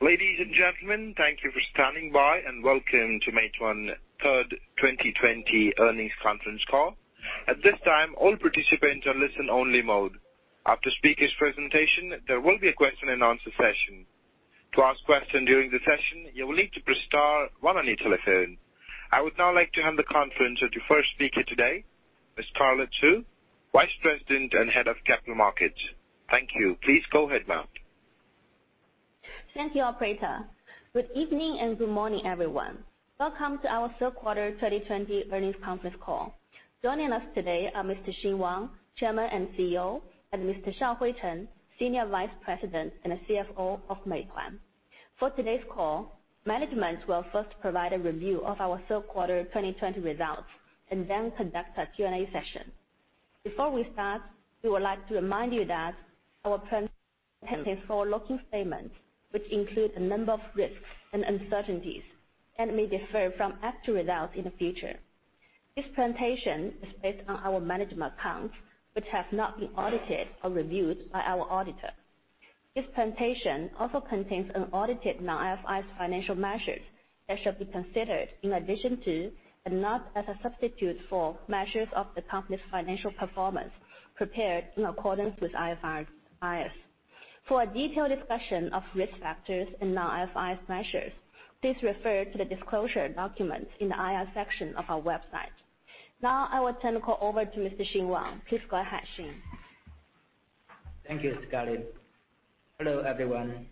Ladies and gentlemen, thank you for standing by and welcome to Meituan's third quarter 2020 earnings conference call. At this time, all participants are in listen-only mode. After speakers' presentations, there will be a question-and-answer session. To ask questions during the session, you will need to press star one on your telephone. I would now like to hand the conference over to the first speaker today, Ms. Scarlett Xu, Vice President and Head of Capital Markets. Thank you. Please go ahead, ma'am. Thank you, Operator. Good evening and good morning, everyone. Welcome to our third quarter 2020 earnings conference call. Joining us today are Mr. Xing Wang, Chairman and CEO, and Mr. Shaohui Chen, Senior Vice President and CFO of Meituan. For today's call, management will first provide a review of our third quarter 2020 results and then conduct a Q&A session. Before we start, we would like to remind you that our presentation is a forward-looking statement, which includes a number of risks and uncertainties and may differ from actual results in the future. This presentation is based on our management accounts, which have not been audited or reviewed by our auditor. This presentation also contains unaudited non-IFRS financial measures that should be considered in addition to, and not as a substitute for, measures of the company's financial performance prepared in accordance with IFRS. For a detailed discussion of risk factors and non-IFRS measures, please refer to the disclosure documents in the IR section of our website. Now, I will turn the call over to Mr. Xing Wang. Please go ahead, Xing. Thank you, Scarlett. Hello, everyone,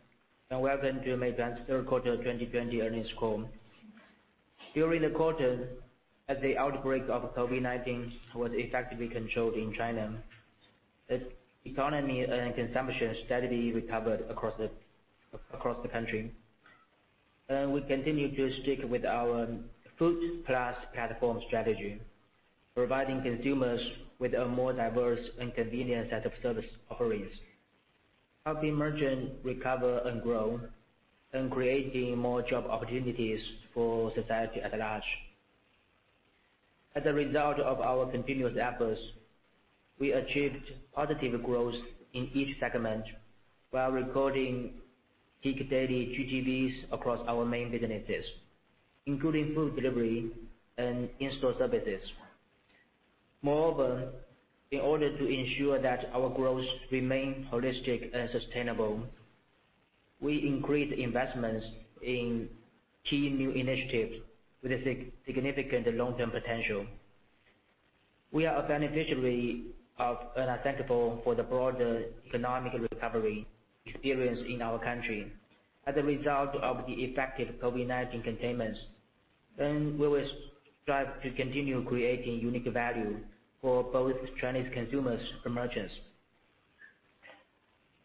and welcome to Meituan's third quarter 2020 earnings call. During the quarter, as the outbreak of COVID-19 was effectively controlled in China, the economy and consumption steadily recovered across the country, and we continue to stick with our Food + Platform strategy, providing consumers with a more diverse and convenient set of service offerings, helping merchants recover and grow, and creating more job opportunities for society at large. As a result of our continuous efforts, we achieved positive growth in each segment while recording peak daily GTVs across our main businesses, including food delivery and in-store services. Moreover, in order to ensure that our growth remains holistic and sustainable, we increased investments in key new initiatives with significant long-term potential. We are a beneficiary of an accelerant for the broader economic recovery experienced in our country as a result of the effective COVID-19 containments, and we will strive to continue creating unique value for both Chinese consumers and merchants.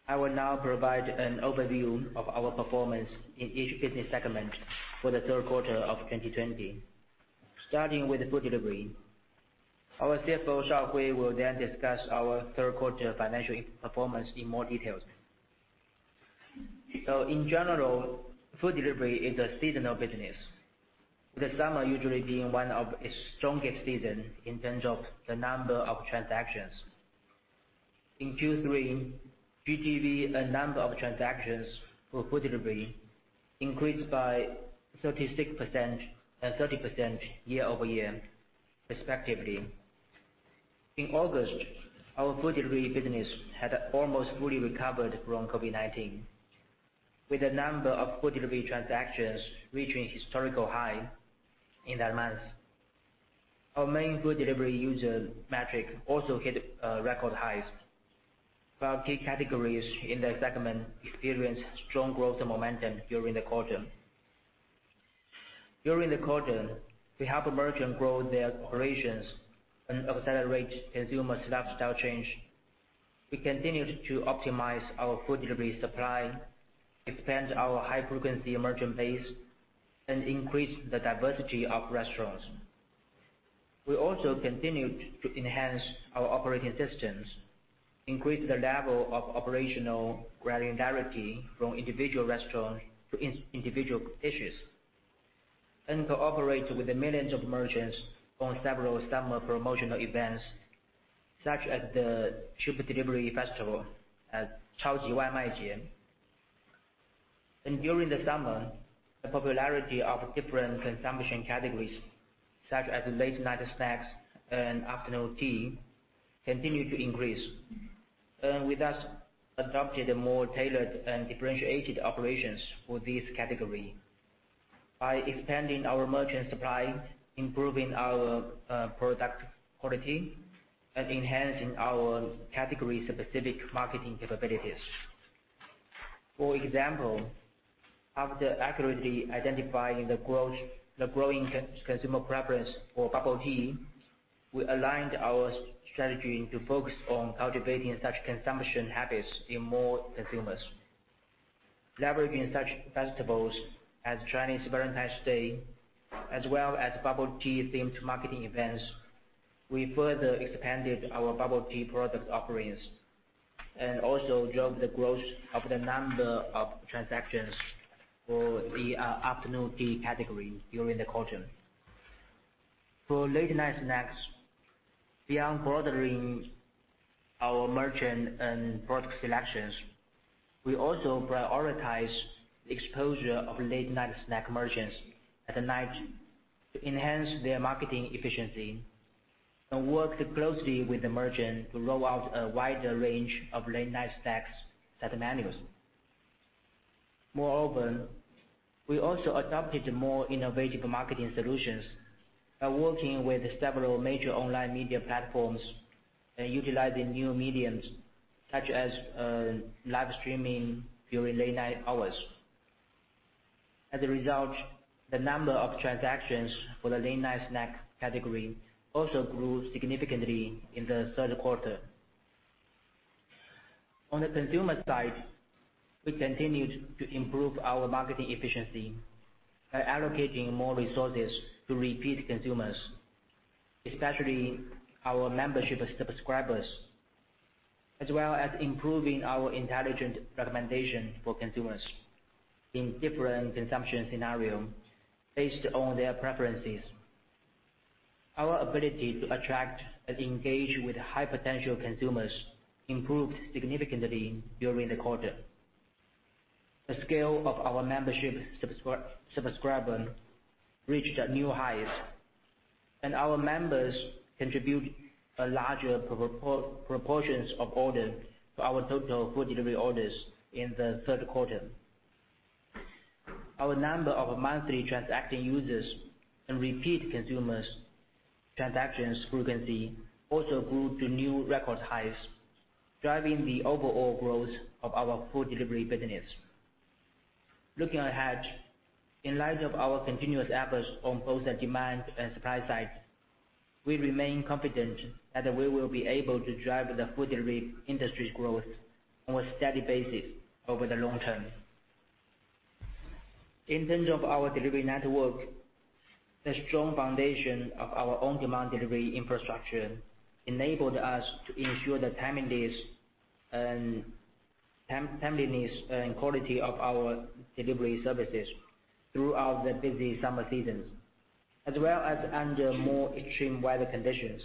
I will now provide an overview of our performance in each business segment for the third quarter of 2020, starting with food delivery. Our CFO, Shaohui, will then discuss our third quarter financial performance in more detail. So, in general, food delivery is a seasonal business, with the summer usually being one of its strongest seasons in terms of the number of transactions. In Q3, GTV and number of transactions for food delivery increased by 36% and 30% year over year, respectively. In August, our food delivery business had almost fully recovered from COVID-19, with the number of food delivery transactions reaching historical highs in that month. Our main food delivery user metric also hit record highs, while key categories in that segment experienced strong growth and momentum during the quarter. During the quarter, we helped merchants grow their operations and accelerate consumer lifestyle change. We continued to optimize our food delivery supply, expand our high-frequency merchant base, and increase the diversity of restaurants. We also continued to enhance our operating systems, increase the level of operational granularity from individual restaurants to individual dishes, and cooperate with millions of merchants on several summer promotional events such as the Super Food Delivery Festival at Chaoji Waimai Jie. And during the summer, the popularity of different consumption categories such as late-night snacks and afternoon tea continued to increase, and we thus adopted more tailored and differentiated operations for this category by expanding our merchant supply, improving our product quality, and enhancing our category-specific marketing capabilities. For example, after accurately identifying the growing consumer preference for bubble tea, we aligned our strategy to focus on cultivating such consumption habits in more consumers. Leveraging such festivals as Chinese Valentine's Day, as well as bubble tea-themed marketing events, we further expanded our bubble tea product offerings and also drove the growth of the number of transactions for the afternoon tea category during the quarter. For late-night snacks, beyond broadening our merchant and product selections, we also prioritized the exposure of late-night snack merchants at night to enhance their marketing efficiency and worked closely with the merchant to roll out a wider range of late-night snack menus. Moreover, we also adopted more innovative marketing solutions by working with several major online media platforms and utilizing new mediums such as live streaming during late-night hours. As a result, the number of transactions for the late-night snack category also grew significantly in the third quarter. On the consumer side, we continued to improve our marketing efficiency by allocating more resources to repeat consumers, especially our membership subscribers, as well as improving our intelligent recommendation for consumers in different consumption scenarios based on their preferences. Our ability to attract and engage with high-potential consumers improved significantly during the quarter. The scale of our membership subscriber reached new highs, and our members contributed a larger proportion of orders to our total food delivery orders in the third quarter. Our number of monthly transacting users and repeat consumers' transaction frequency also grew to new record highs, driving the overall growth of our food delivery business. Looking ahead, in light of our continuous efforts on both the demand and supply sides, we remain confident that we will be able to drive the food delivery industry's growth on a steady basis over the long term. In terms of our delivery network, the strong foundation of our on-demand delivery infrastructure enabled us to ensure the timeliness and quality of our delivery services throughout the busy summer seasons, as well as under more extreme weather conditions.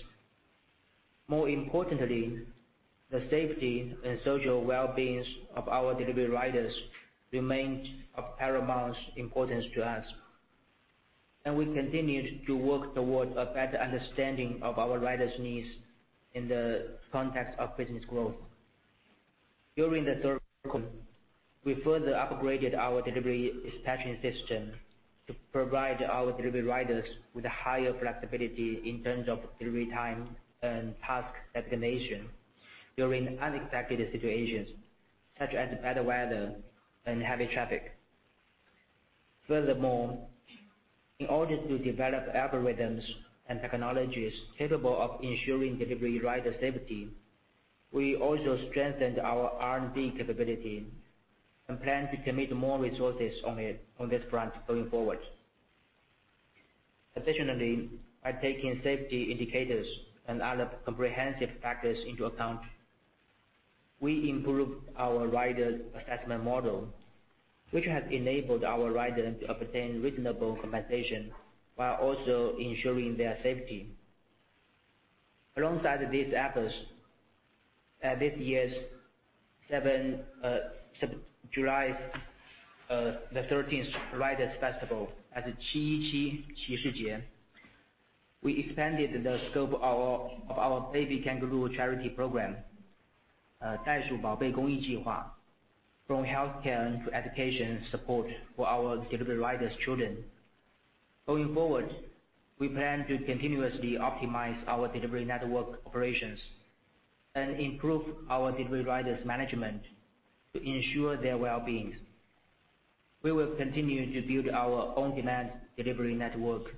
More importantly, the safety and social well-being of our delivery riders remained of paramount importance to us, and we continued to work toward a better understanding of our riders' needs in the context of business growth. During the third quarter, we further upgraded our delivery dispatching system to provide our delivery riders with higher flexibility in terms of delivery time and task designation during unexpected situations such as bad weather and heavy traffic. Furthermore, in order to develop algorithms and technologies capable of ensuring delivery rider safety, we also strengthened our R&D capability and plan to commit more resources on this front going forward. Additionally, by taking safety indicators and other comprehensive factors into account, we improved our rider assessment model, which has enabled our riders to obtain reasonable compensation while also ensuring their safety. Alongside these efforts, at this year's 717 Riders Festival, as Qi Yi Qi Qishou Jie, we expanded the scope of our Baby Kangaroo Charity Program, Daishu Baobei Gongyi Jihua, from healthcare to education support for our delivery riders' children. Going forward, we plan to continuously optimize our delivery network operations and improve our delivery riders' management to ensure their well-being. We will continue to build our on-demand delivery network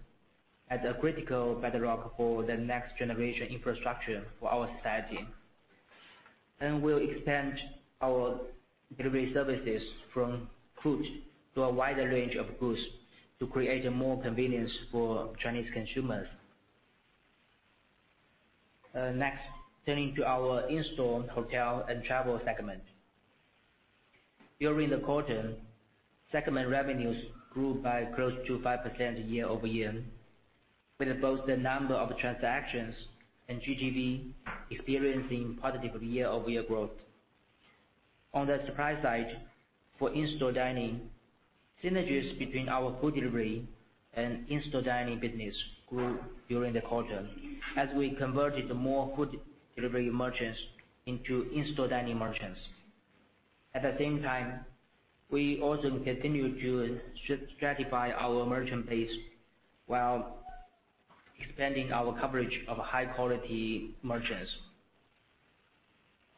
as a critical bedrock for the next generation infrastructure for our society, and we'll expand our delivery services from food to a wider range of goods to create more convenience for Chinese consumers. Next, turning to our in-store hotel and travel segment, during the quarter, segment revenues grew by close to 5% year over year, with both the number of transactions and GTV experiencing positive year-over-year growth. On the supply side, for in-store dining, synergies between our food delivery and in-store dining business grew during the quarter as we converted more food delivery merchants into in-store dining merchants. At the same time, we also continued to stratify our merchant base while expanding our coverage of high-quality merchants.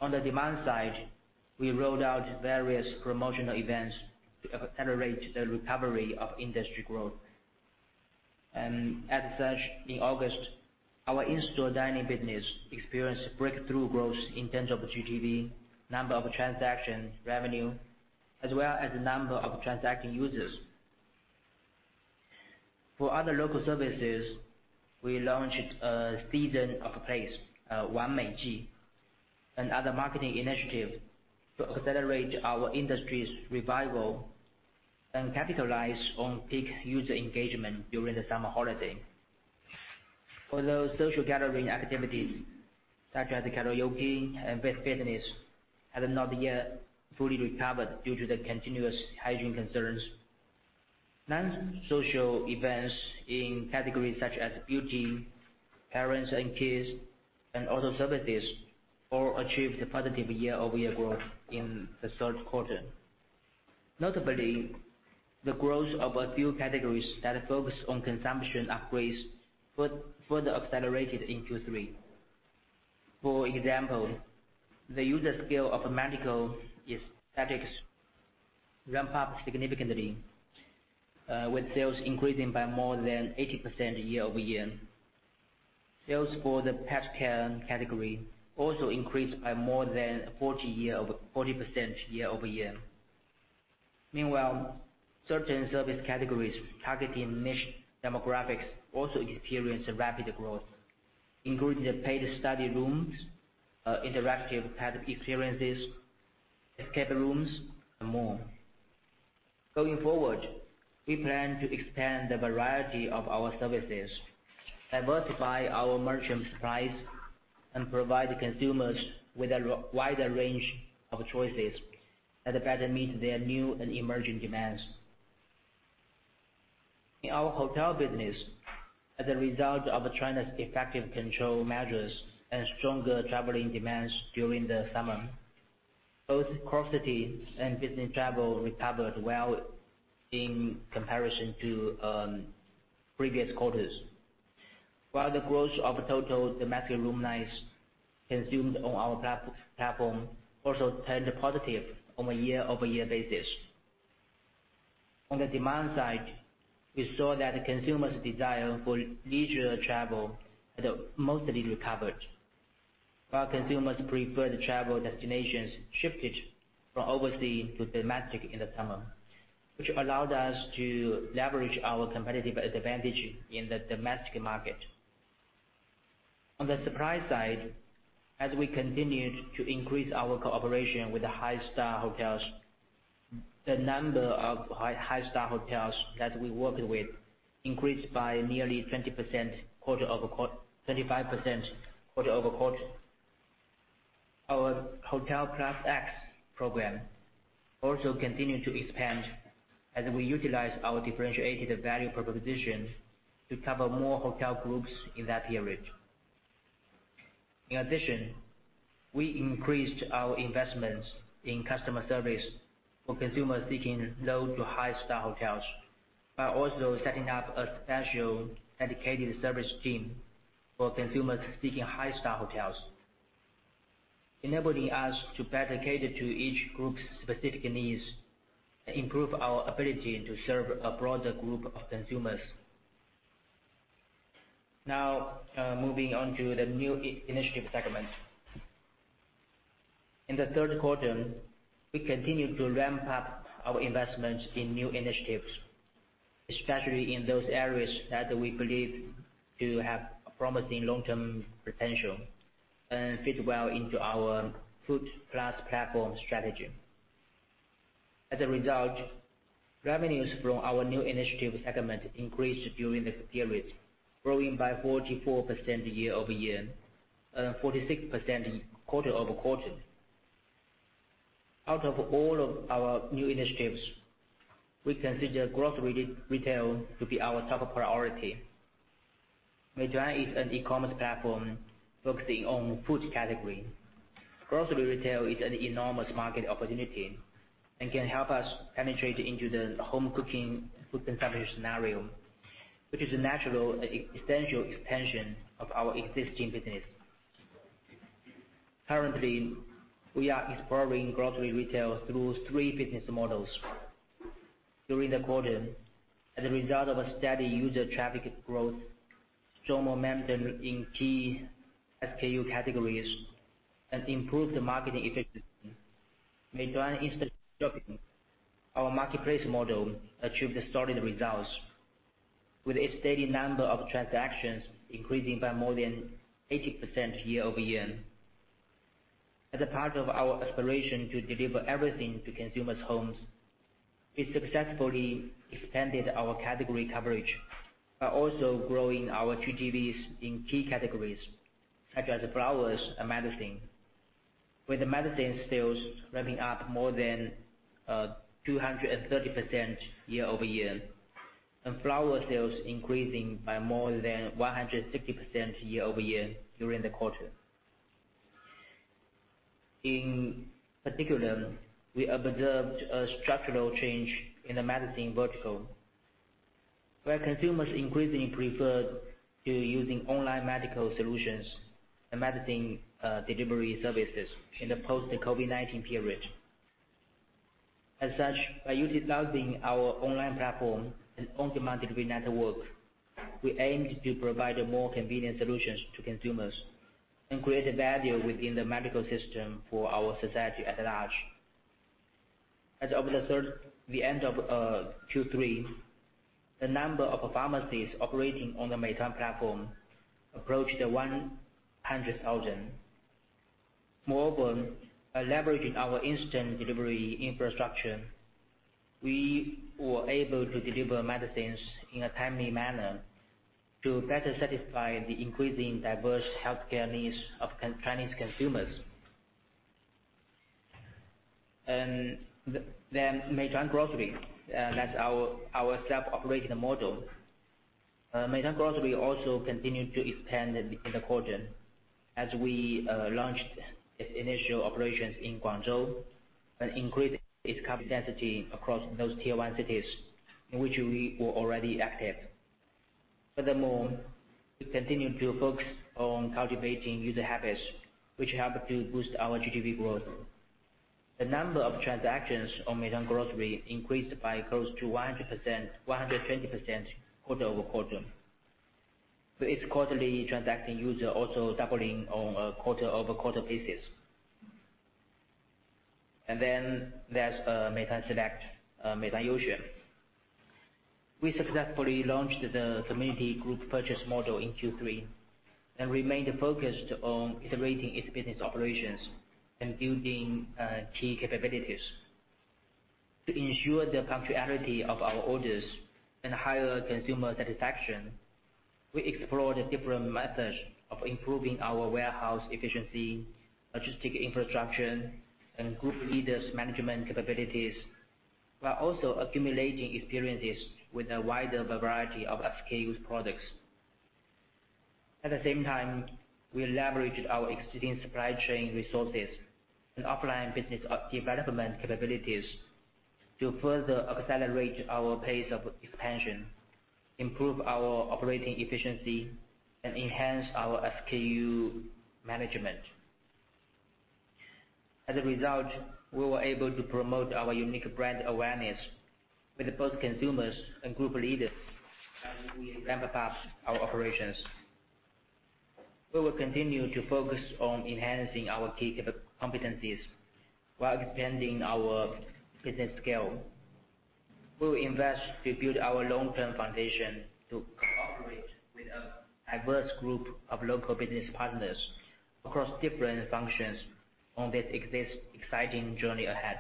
On the demand side, we rolled out various promotional events to accelerate the recovery of industry growth. As such, in August, our in-store dining business experienced breakthrough growth in terms of GTV, number of transactions and revenue, as well as the number of transacting users. For other local services, we launched a Season of Play, Wan Le Ji, and other marketing initiatives to accelerate our industry's revival and capitalize on peak user engagement during the summer holiday. Although social gathering activities such as karaoke and fitness had not yet fully recovered due to the continuous hygiene concerns, non-social events in categories such as beauty, parents and kids, and auto services all achieved positive year-over-year growth in the third quarter. Notably, the growth of a few categories that focus on consumption upgrades further accelerated in Q3. For example, the user scale of medical aesthetics ramped up significantly, with sales increasing by more than 80% year over year. Sales for the pet care category also increased by more than 40% year over year. Meanwhile, certain service categories targeting niche demographics also experienced rapid growth, including the paid study rooms, interactive experiences, escape rooms, and more. Going forward, we plan to expand the variety of our services, diversify our merchant supplies, and provide consumers with a wider range of choices that better meet their new and emerging demands. In our hotel business, as a result of China's effective control measures and stronger traveling demands during the summer, both cross-city and business travel recovered well in comparison to previous quarters, while the growth of total domestic room nights consumed on our platform also turned positive on a year-over-year basis. On the demand side, we saw that consumers' desire for leisure travel had mostly recovered, while consumers' preferred travel destinations shifted from overseas to domestic in the summer, which allowed us to leverage our competitive advantage in the domestic market. On the supply side, as we continued to increase our cooperation with the high-star hotels, the number of high-star hotels that we worked with increased by nearly 25% quarter over quarter. Our Hotel + X program also continued to expand as we utilized our differentiated value proposition to cover more hotel groups in that period. In addition, we increased our investments in customer service for consumers seeking low to high-star hotels by also setting up a special dedicated service team for consumers seeking high-star hotels, enabling us to better cater to each group's specific needs and improve our ability to serve a broader group of consumers. Now, moving on to the new initiative segment. In the third quarter, we continued to ramp up our investments in new initiatives, especially in those areas that we believe to have promising long-term potential and fit well into our Food + platform strategy. As a result, revenues from our new initiative segment increased during the period, growing by 44% year over year and 46% quarter over quarter. Out of all of our new initiatives, we consider grocery retail to be our top priority. Meituan is an e-commerce platform focusing on food category. Grocery retail is an enormous market opportunity and can help us penetrate into the home cooking food consumption scenario, which is a natural and essential extension of our existing business. Currently, we are exploring grocery retail through three business models. During the quarter, as a result of steady user traffic growth, strong momentum in key SKU categories, and improved marketing efficiency, Meituan InstaShopping, our marketplace model, achieved solid results, with its daily number of transactions increasing by more than 80% year over year. As a part of our aspiration to deliver everything to consumers' homes, we successfully expanded our category coverage while also growing our GTVs in key categories such as flowers and medicine, with medicine sales ramping up more than 230% year over year and flower sales increasing by more than 160% year over year during the quarter. In particular, we observed a structural change in the medicine vertical, where consumers increasingly preferred using online medical solutions and medicine delivery services in the post-COVID-19 period. As such, by utilizing our online platform and on-demand delivery network, we aimed to provide more convenient solutions to consumers and create value within the medical system for our society at large. As of the end of Q3, the number of pharmacies operating on the Meituan platform approached 100,000. Moreover, by leveraging our instant delivery infrastructure, we were able to deliver medicines in a timely manner to better satisfy the increasing diverse healthcare needs of Chinese consumers, and then Meituan Grocery, that's our self-operated model, Meituan Grocery also continued to expand in the quarter as we launched its initial operations in Guangzhou and increased its intensity across those Tier 1 cities in which we were already active. Furthermore, we continued to focus on cultivating user habits, which helped to boost our GTV growth. The number of transactions on Meituan Grocery increased by close to 120% quarter over quarter, with its quarterly transacting user also doubling on a quarter over quarter basis, and then there's Meituan Select, Meituan Youxuan. We successfully launched the community group purchase model in Q3 and remained focused on iterating its business operations and building key capabilities. To ensure the punctuality of our orders and higher consumer satisfaction, we explored different methods of improving our warehouse efficiency, logistics infrastructure, and group leaders' management capabilities, while also accumulating experiences with a wider variety of SKU products. At the same time, we leveraged our existing supply chain resources and offline business development capabilities to further accelerate our pace of expansion, improve our operating efficiency, and enhance our SKU management. As a result, we were able to promote our unique brand awareness with both consumers and group leaders as we ramp up our operations. We will continue to focus on enhancing our key competencies while expanding our business scale. We will invest to build our long-term foundation to cooperate with a diverse group of local business partners across different functions on this exciting journey ahead.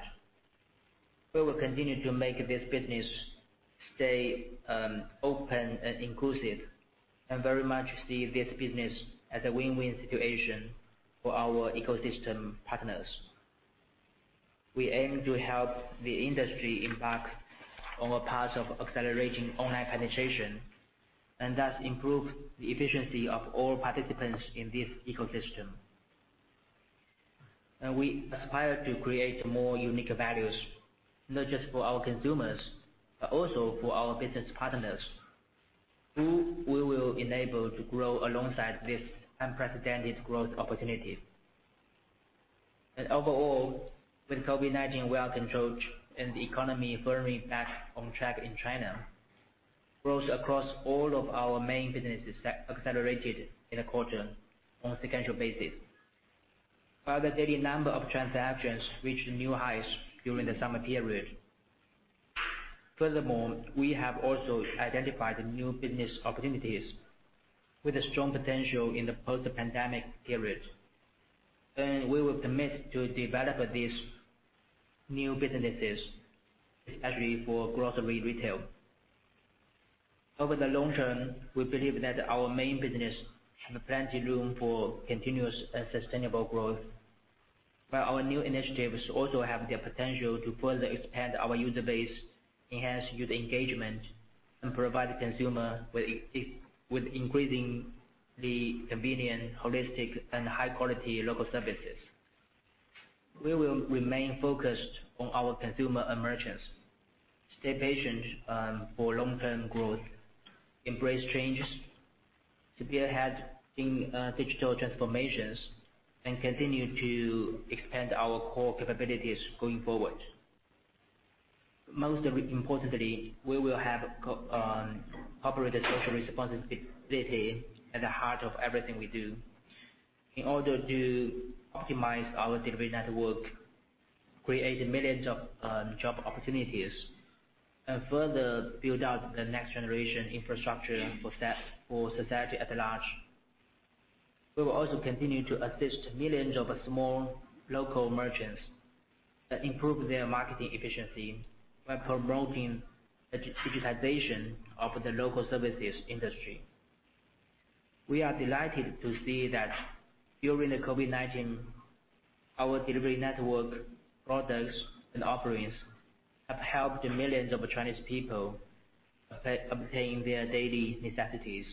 We will continue to make this business stay open and inclusive and very much see this business as a win-win situation for our ecosystem partners. We aim to help the industry impact on our path of accelerating online penetration and thus improve the efficiency of all participants in this ecosystem, and we aspire to create more unique values, not just for our consumers, but also for our business partners, who we will enable to grow alongside this unprecedented growth opportunity. Overall, with COVID-19 well controlled and the economy firmly back on track in China, growth across all of our main businesses accelerated in the quarter on a sequential basis, while the daily number of transactions reached new highs during the summer period. Furthermore, we have also identified new business opportunities with a strong potential in the post-pandemic period, and we will commit to develop these new businesses, especially for grocery retail. Over the long term, we believe that our main business has plenty of room for continuous and sustainable growth, while our new initiatives also have the potential to further expand our user base, enhance user engagement, and provide consumers with increasingly convenient, holistic, and high-quality local services. We will remain focused on our consumer and merchants, stay patient for long-term growth, embrace changes, see ahead in digital transformations, and continue to expand our core capabilities going forward. Most importantly, we will have corporate social responsibility at the heart of everything we do in order to optimize our delivery network, create millions of job opportunities, and further build out the next-generation infrastructure for society at large. We will also continue to assist millions of small local merchants that improve their marketing efficiency by promoting the digitization of the local services industry. We are delighted to see that during the COVID-19, our delivery network products and offerings have helped millions of Chinese people obtain their daily necessities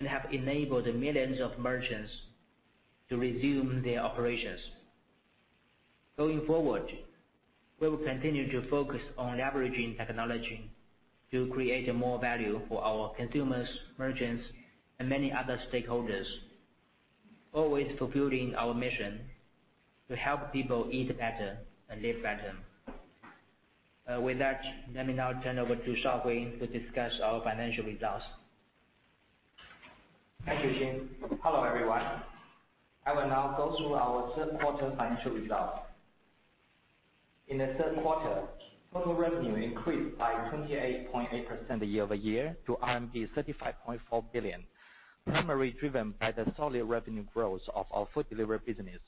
and have enabled millions of merchants to resume their operations. Going forward, we will continue to focus on leveraging technology to create more value for our consumers, merchants, and many other stakeholders, always fulfilling our mission to help people eat better and live better. With that, let me now turn over to Shaohui to discuss our financial results. Thank you, Xing. Hello, everyone. I will now go through our third-quarter financial results. In the third quarter, total revenue increased by 28.8% year over year to RMB 35.4 billion, primarily driven by the solid revenue growth of our food delivery business,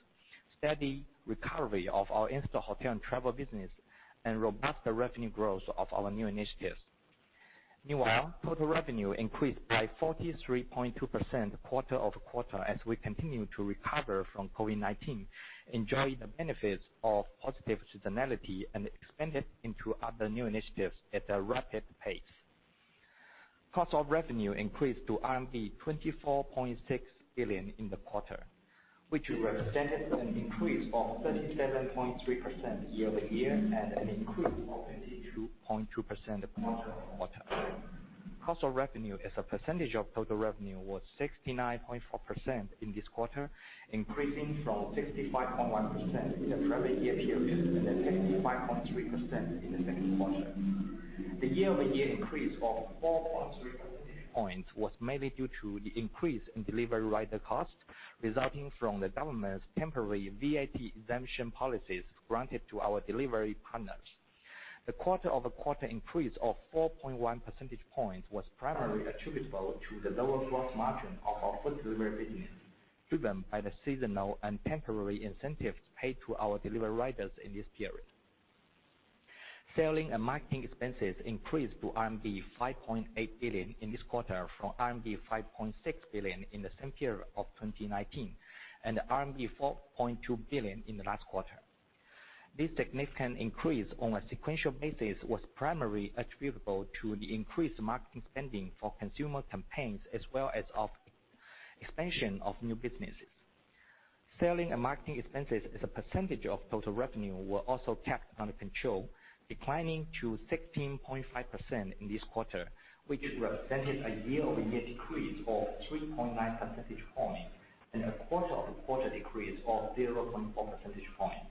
steady recovery of our in-store hotel and travel business, and robust revenue growth of our new initiatives. Meanwhile, total revenue increased by 43.2% quarter over quarter as we continue to recover from COVID-19, enjoying the benefits of positive seasonality and expanding into other new initiatives at a rapid pace. Cost of revenue increased to RMB 24.6 billion in the quarter, which represented an increase of 37.3% year over year and an increase of 22.2% quarter over quarter. Cost of revenue, as a percentage of total revenue, was 69.4% in this quarter, increasing from 65.1% in the previous year period and then 65.3% in the second quarter. The year-over-year increase of 4.3 percentage points was mainly due to the increase in delivery rider costs resulting from the government's temporary VAT exemption policies granted to our delivery partners. The quarter-over-quarter increase of 4.1 percentage points was primarily attributable to the lower gross margin of our food delivery business, driven by the seasonal and temporary incentives paid to our delivery riders in this period. Selling and marketing expenses increased to RMB 5.8 billion in this quarter from RMB 5.6 billion in the same period of 2019 and RMB 4.2 billion in the last quarter. This significant increase on a sequential basis was primarily attributable to the increased marketing spending for consumer campaigns as well as the expansion of new businesses. Selling and marketing expenses as a percentage of total revenue were also kept under control, declining to 16.5% in this quarter, which represented a year-over-year decrease of 3.9 percentage points and a quarter-over-quarter decrease of 0.4 percentage points.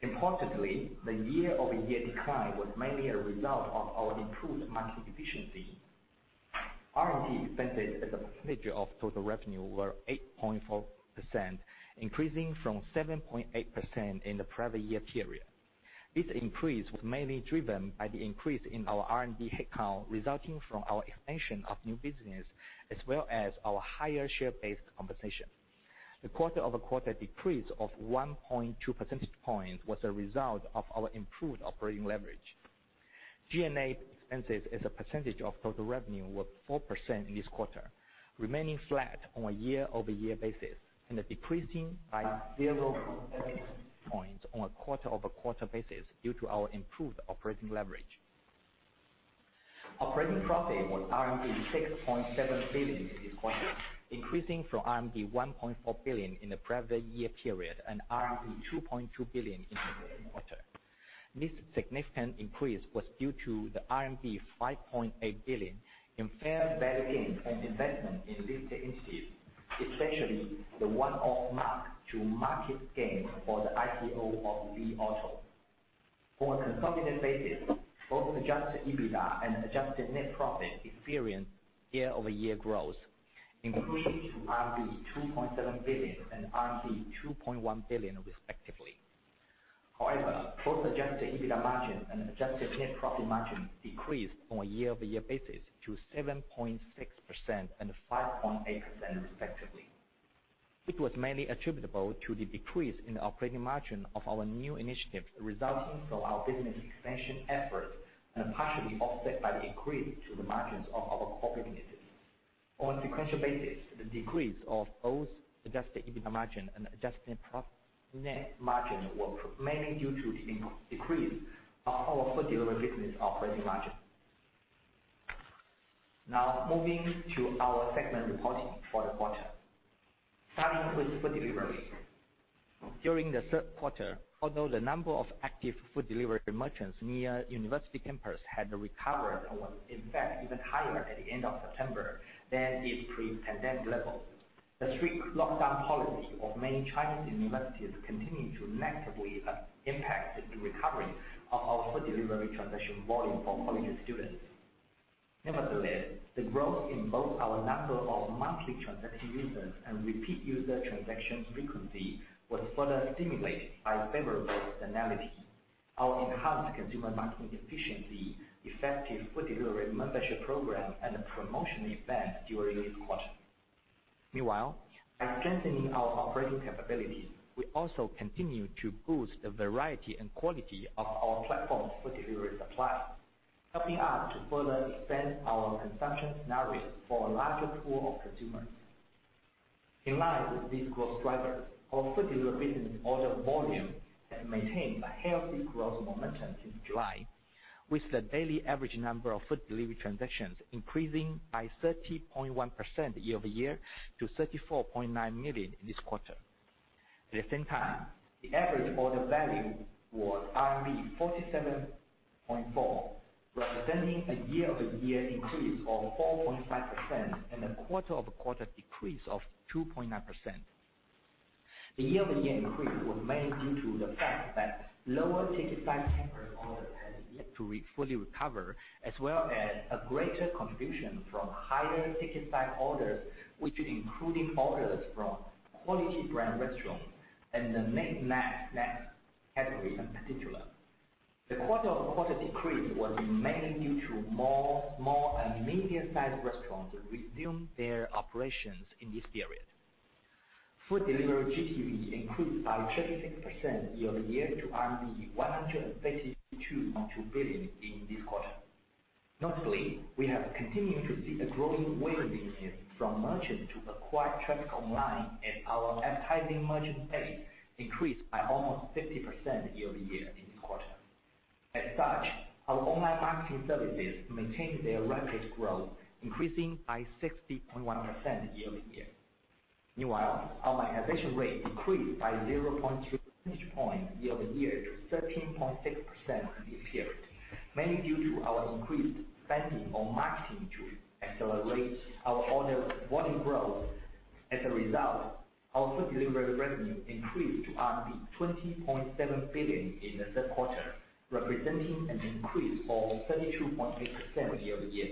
Importantly, the year-over-year decline was mainly a result of our improved marketing efficiency. R&D expenses as a percentage of total revenue were 8.4%, increasing from 7.8% in the previous year period. This increase was mainly driven by the increase in our R&D headcount resulting from our expansion of new business as well as our higher share-based compensation. The quarter-over-quarter decrease of 1.2 percentage points was a result of our improved operating leverage. G&A expenses as a percentage of total revenue were 4% in this quarter, remaining flat on a year-over-year basis and decreasing by 0.7 percentage points on a quarter-over-quarter basis due to our improved operating leverage. Operating profit was 6.7 billion in this quarter, increasing from 1.4 billion in the previous year period and 2.2 billion in the second quarter. This significant increase was due to the 5.8 billion in fair value gain and investment in retail entities, especially the one-off mark to market gain for the IPO of Li Auto. On a consolidated basis, both adjusted EBITDA and adjusted net profit experienced year-over-year growth, improving to RMB 2.7 billion and RMB 2.1 billion, respectively. However, both adjusted EBITDA margins and adjusted net profit margins decreased on a year-over-year basis to 7.6% and 5.8%, respectively. It was mainly attributable to the decrease in the operating margin of our new initiatives resulting from our business expansion efforts and partially offset by the increase to the margins of our core businesses. On a sequential basis, the decrease of both adjusted EBITDA margin and adjusted net margin was mainly due to the decrease of our food delivery business operating margin. Now, moving to our segment reporting for the quarter, starting with food delivery. During the third quarter, although the number of active food delivery merchants near university campus had recovered and was, in fact, even higher at the end of September than its pre-pandemic level, the strict lockdown policy of many Chinese universities continued to negatively impact the recovery of our food delivery transaction volume for college students. Nevertheless, the growth in both our number of monthly transacting users and repeat user transaction frequency was further stimulated by favorable seasonality, our enhanced consumer marketing efficiency, effective food delivery membership program, and promotional events during this quarter. Meanwhile, by strengthening our operating capabilities, we also continue to boost the variety and quality of our platform's food delivery supply, helping us to further expand our consumption scenarios for a larger pool of consumers. In line with these growth drivers, our food delivery business order volume has maintained a healthy growth momentum since July, with the daily average number of food delivery transactions increasing by 30.1% year over year to 34.9 million in this quarter. At the same time, the average order value was RMB 47.4, representing a year-over-year increase of 4.5% and a quarter-over-quarter decrease of 2.9%. The year-over-year increase was mainly due to the fact that lower ticket-sized campus orders had yet to fully recover, as well as a greater contribution from higher ticket-sized orders, which included orders from quality brand restaurants and the main snack category in particular. The quarter-over-quarter decrease was mainly due to more small and medium-sized restaurants resuming their operations in this period. Food delivery GTV increased by 36% year over year to 132.2 billion in this quarter. Notably, we have continued to see a growing wave this year from merchants to acquire traffic online, and our advertising merchant base increased by almost 50% year over year in this quarter. As such, our online marketing services maintained their rapid growth, increasing by 60.1% year over year. Meanwhile, our monetiization rate decreased by 0.3 percentage points year over year to 13.6% in this period, mainly due to our increased spending on marketing to accelerate our order volume growth. As a result, our food delivery revenue increased to 20.7 billion in the third quarter, representing an increase of 32.8% year over year.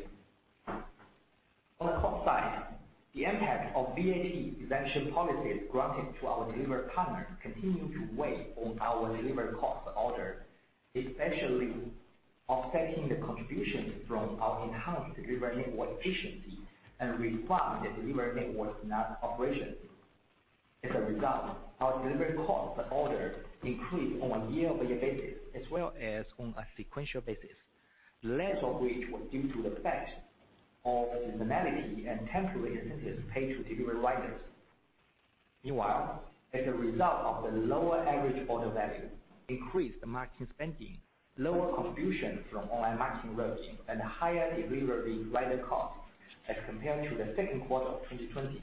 On the cost side, the impact of VAT exemption policies granted to our delivery partners continued to weigh on our delivery costs per order, especially offsetting the contributions from our enhanced delivery network efficiency and refined delivery network operations. As a result, our delivery costs per order increased on a year-over-year basis as well as on a sequential basis, the latter of which was due to the fact of seasonality and temporary incentives paid to delivery riders. Meanwhile, as a result of the lower average order value, increased marketing spending, lower contributions from online marketing revenue, and higher delivery rider costs as compared to the second quarter of 2020,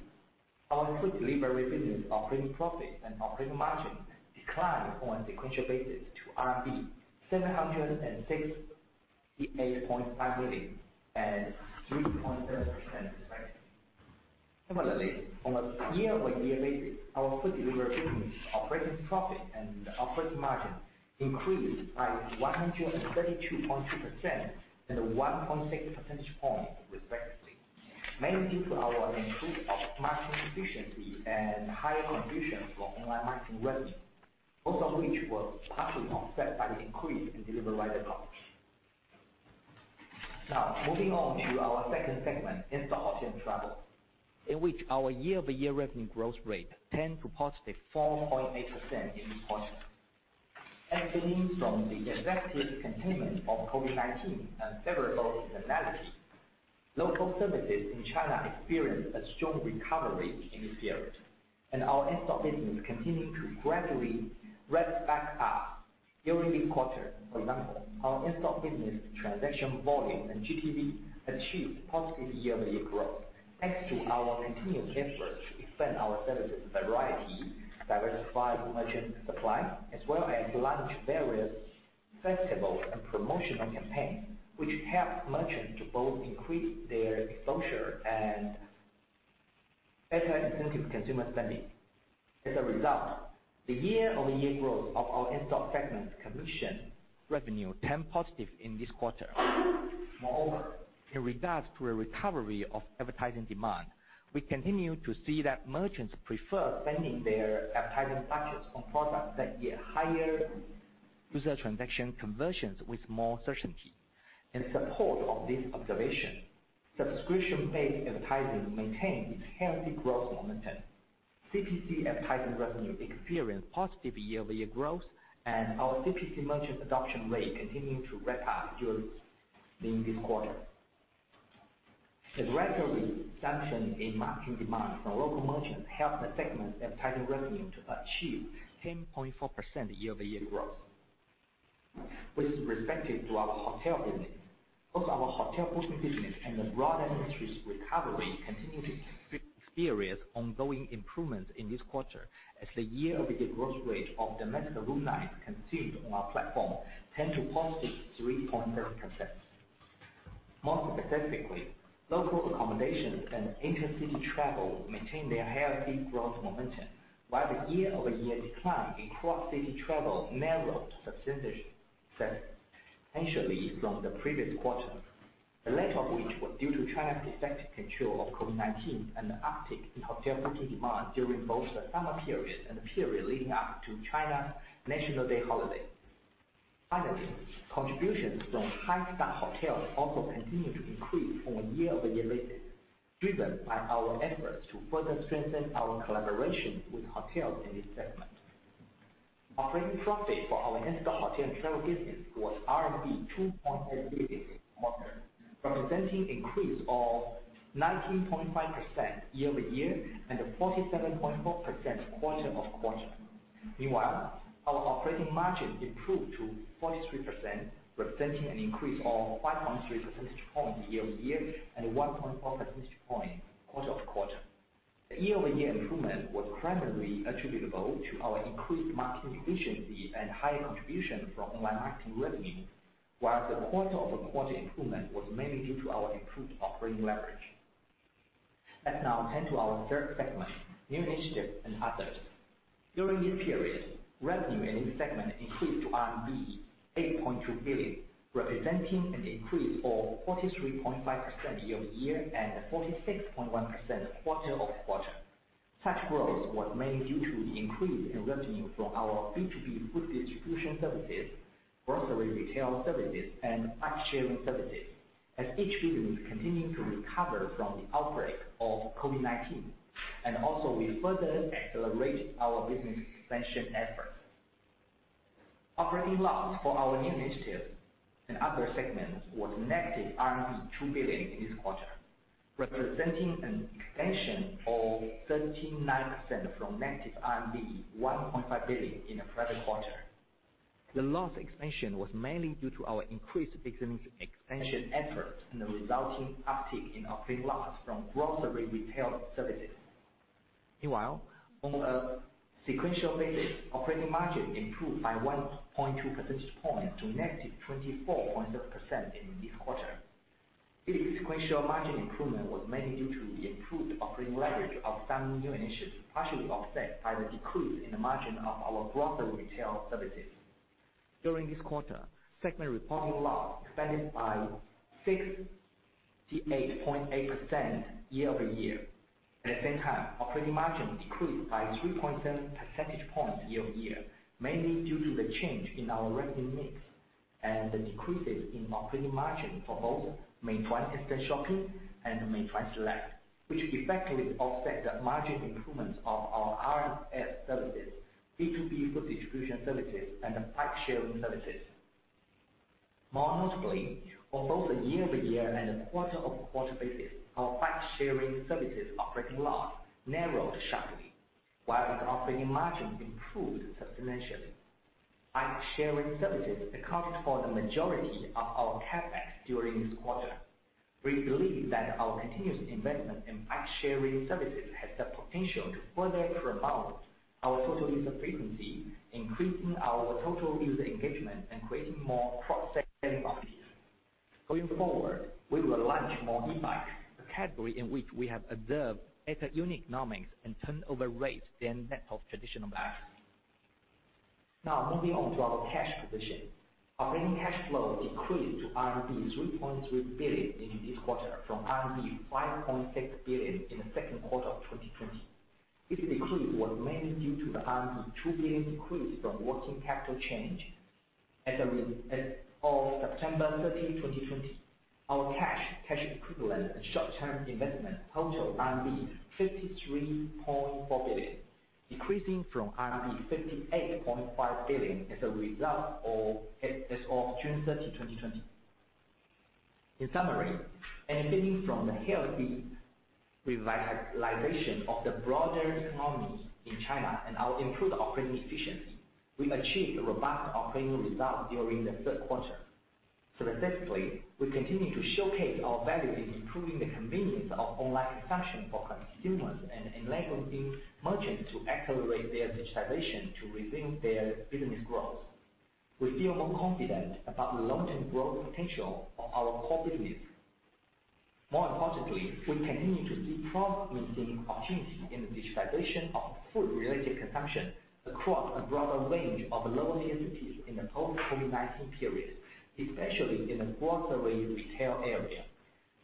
our food delivery business operating profits and operating margins declined on a sequential basis to RMB 768.5 million and 3.7%, respectively. Similarly, on a year-over-year basis, our food delivery business operating profit and operating margin increased by 132.2% and 1.6 percentage points, respectively, mainly due to our improved marketing efficiency and higher contributions from online marketing revenue, both of which were partially offset by the increase in delivery rider costs. Now, moving on to our second segment, in-store hotel and travel, in which our year-over-year revenue growth rate turned to positive 4.8% in this quarter. Benefiting from the effective containment of COVID-19 and favorable seasonality, local services in China experienced a strong recovery in this period, and our in-store business continued to gradually ramp back up. During this quarter, for example, our in-store business transaction volume and GTV achieved positive year-over-year growth thanks to our continued efforts to expand our services variety, diversify merchant supply, as well as launch various festivals and promotional campaigns, which helped merchants to both increase their exposure and better incentive consumer spending. As a result, the year-over-year growth of our in-store segment commissioned revenue turned positive in this quarter. Moreover, in regards to the recovery of advertising demand, we continue to see that merchants prefer spending their advertising budgets on products that yield higher user transaction conversions with more certainty. In support of this observation, subscription-based advertising maintained its healthy growth momentum. CPC advertising revenue experienced positive year-over-year growth, and our CPC merchant adoption rate continued to ramp up during this quarter. The regular resumption in marketing demand from local merchants helped the segment advertising revenue to achieve 10.4% year-over-year growth. With respect to our hotel business, both our hotel booking business and the broader industry's recovery continue to experience ongoing improvements in this quarter as the year-over-year growth rate of domestic nights consumed on our platform turns to positive 3.7%. More specifically, local accommodations and intercity travel maintained their healthy growth momentum, while the year-over-year decline in cross-city travel narrowed substantially from the previous quarter, the latter of which was due to China's effective control of COVID-19 and the uptick in hotel booking demand during both the summer period and the period leading up to China's National Day holiday. Finally, contributions from high-star hotels also continued to increase on a year-over-year basis, driven by our efforts to further strengthen our collaboration with hotels in this segment. Operating profit for our In-store, hotel and travel business was RMB 2.8 billion in quarter, representing an increase of 19.5% year over year and 47.4% quarter of quarter. Meanwhile, our operating margin improved to 43%, representing an increase of 5.3 percentage points year over year and 1.4 percentage points quarter of quarter. The year-over-year improvement was primarily attributable to our increased marketing efficiency and higher contribution from online marketing revenue, while the quarter-over-quarter improvement was mainly due to our improved operating leverage. Let's now turn to our third segment, new initiatives and others. During this period, revenue in this segment increased to RMB 8.2 billion, representing an increase of 43.5% year over year and 46.1% quarter of quarter. Such growth was mainly due to the increase in revenue from our B2B food distribution services, grocery retail services, and bike-sharing services, as each business continued to recover from the outbreak of COVID-19 and also we further accelerated our business expansion efforts. Operating loss for our new initiatives and other segments was negative RMB 2 billion in this quarter, representing an extension of 39% from negative RMB 1.5 billion in the previous quarter. The loss extension was mainly due to our increased business expansion efforts and the resulting uptick in operating loss from grocery retail services. Meanwhile, on a sequential basis, operating margin improved by 1.2 percentage points to negative 24.7% in this quarter. This sequential margin improvement was mainly due to the improved operating leverage of some new initiatives, partially offset by the decrease in the margin of our grocery retail services. During this quarter, segment reporting loss expanded by 68.8% year over year. At the same time, operating margin decreased by 3.7 percentage points year over year, mainly due to the change in our revenue mix and the decreases in operating margin for both Meituan Instashopping and Meituan Select, which effectively offset the margin improvements of our RMS services, B2B food distribution services, and bike-sharing services. More notably, on both a year-over-year and a quarter-over-quarter basis, our bike-sharing services operating loss narrowed sharply, while the operating margin improved substantially. Bike-sharing services accounted for the majority of our CapEx during this quarter. We believe that our continuous investment in bike-sharing services has the potential to further promote our total user frequency, increasing our total user engagement and creating more cross-selling opportunities. Going forward, we will launch more e-bikes, a category in which we have observed better unit economics and turnover rates than that of traditional bikes. Now, moving on to our cash position, operating cash flow decreased to RMB 3.3 billion in this quarter from RMB 5.6 billion in the second quarter of 2020. This decrease was mainly due to the RMB 2 billion increase from working capital change. As of September 30, 2020, our cash and cash equivalents and short-term investments totaled RMB 53.4 billion, decreasing from RMB 58.5 billion as of June 30, 2020. In summary, benefiting from the healthy revitalization of the broader economy in China and our improved operating efficiency, we achieved a robust operating result during the third quarter. Specifically, we continue to showcase our value in improving the convenience of online consumption for consumers and enabling merchants to accelerate their digitization to resume their business growth. We feel more confident about the long-term growth potential of our core business. More importantly, we continue to see promising opportunities in the digitization of food-related consumption across a broader range of lower-tier cities in the post-COVID-19 period, especially in the grocery retail area.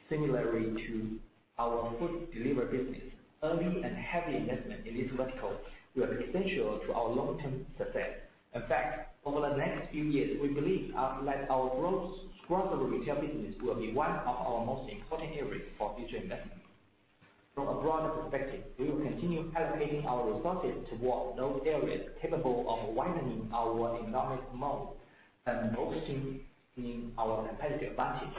Similarly to our food delivery business, early and heavy investment in this vertical will be essential to our long-term success. In fact, over the next few years, we believe that our growth grocery retail business will be one of our most important areas for future investment. From a broader perspective, we will continue allocating our resources towards those areas capable of widening our economic moat and bolstering our competitive advantage.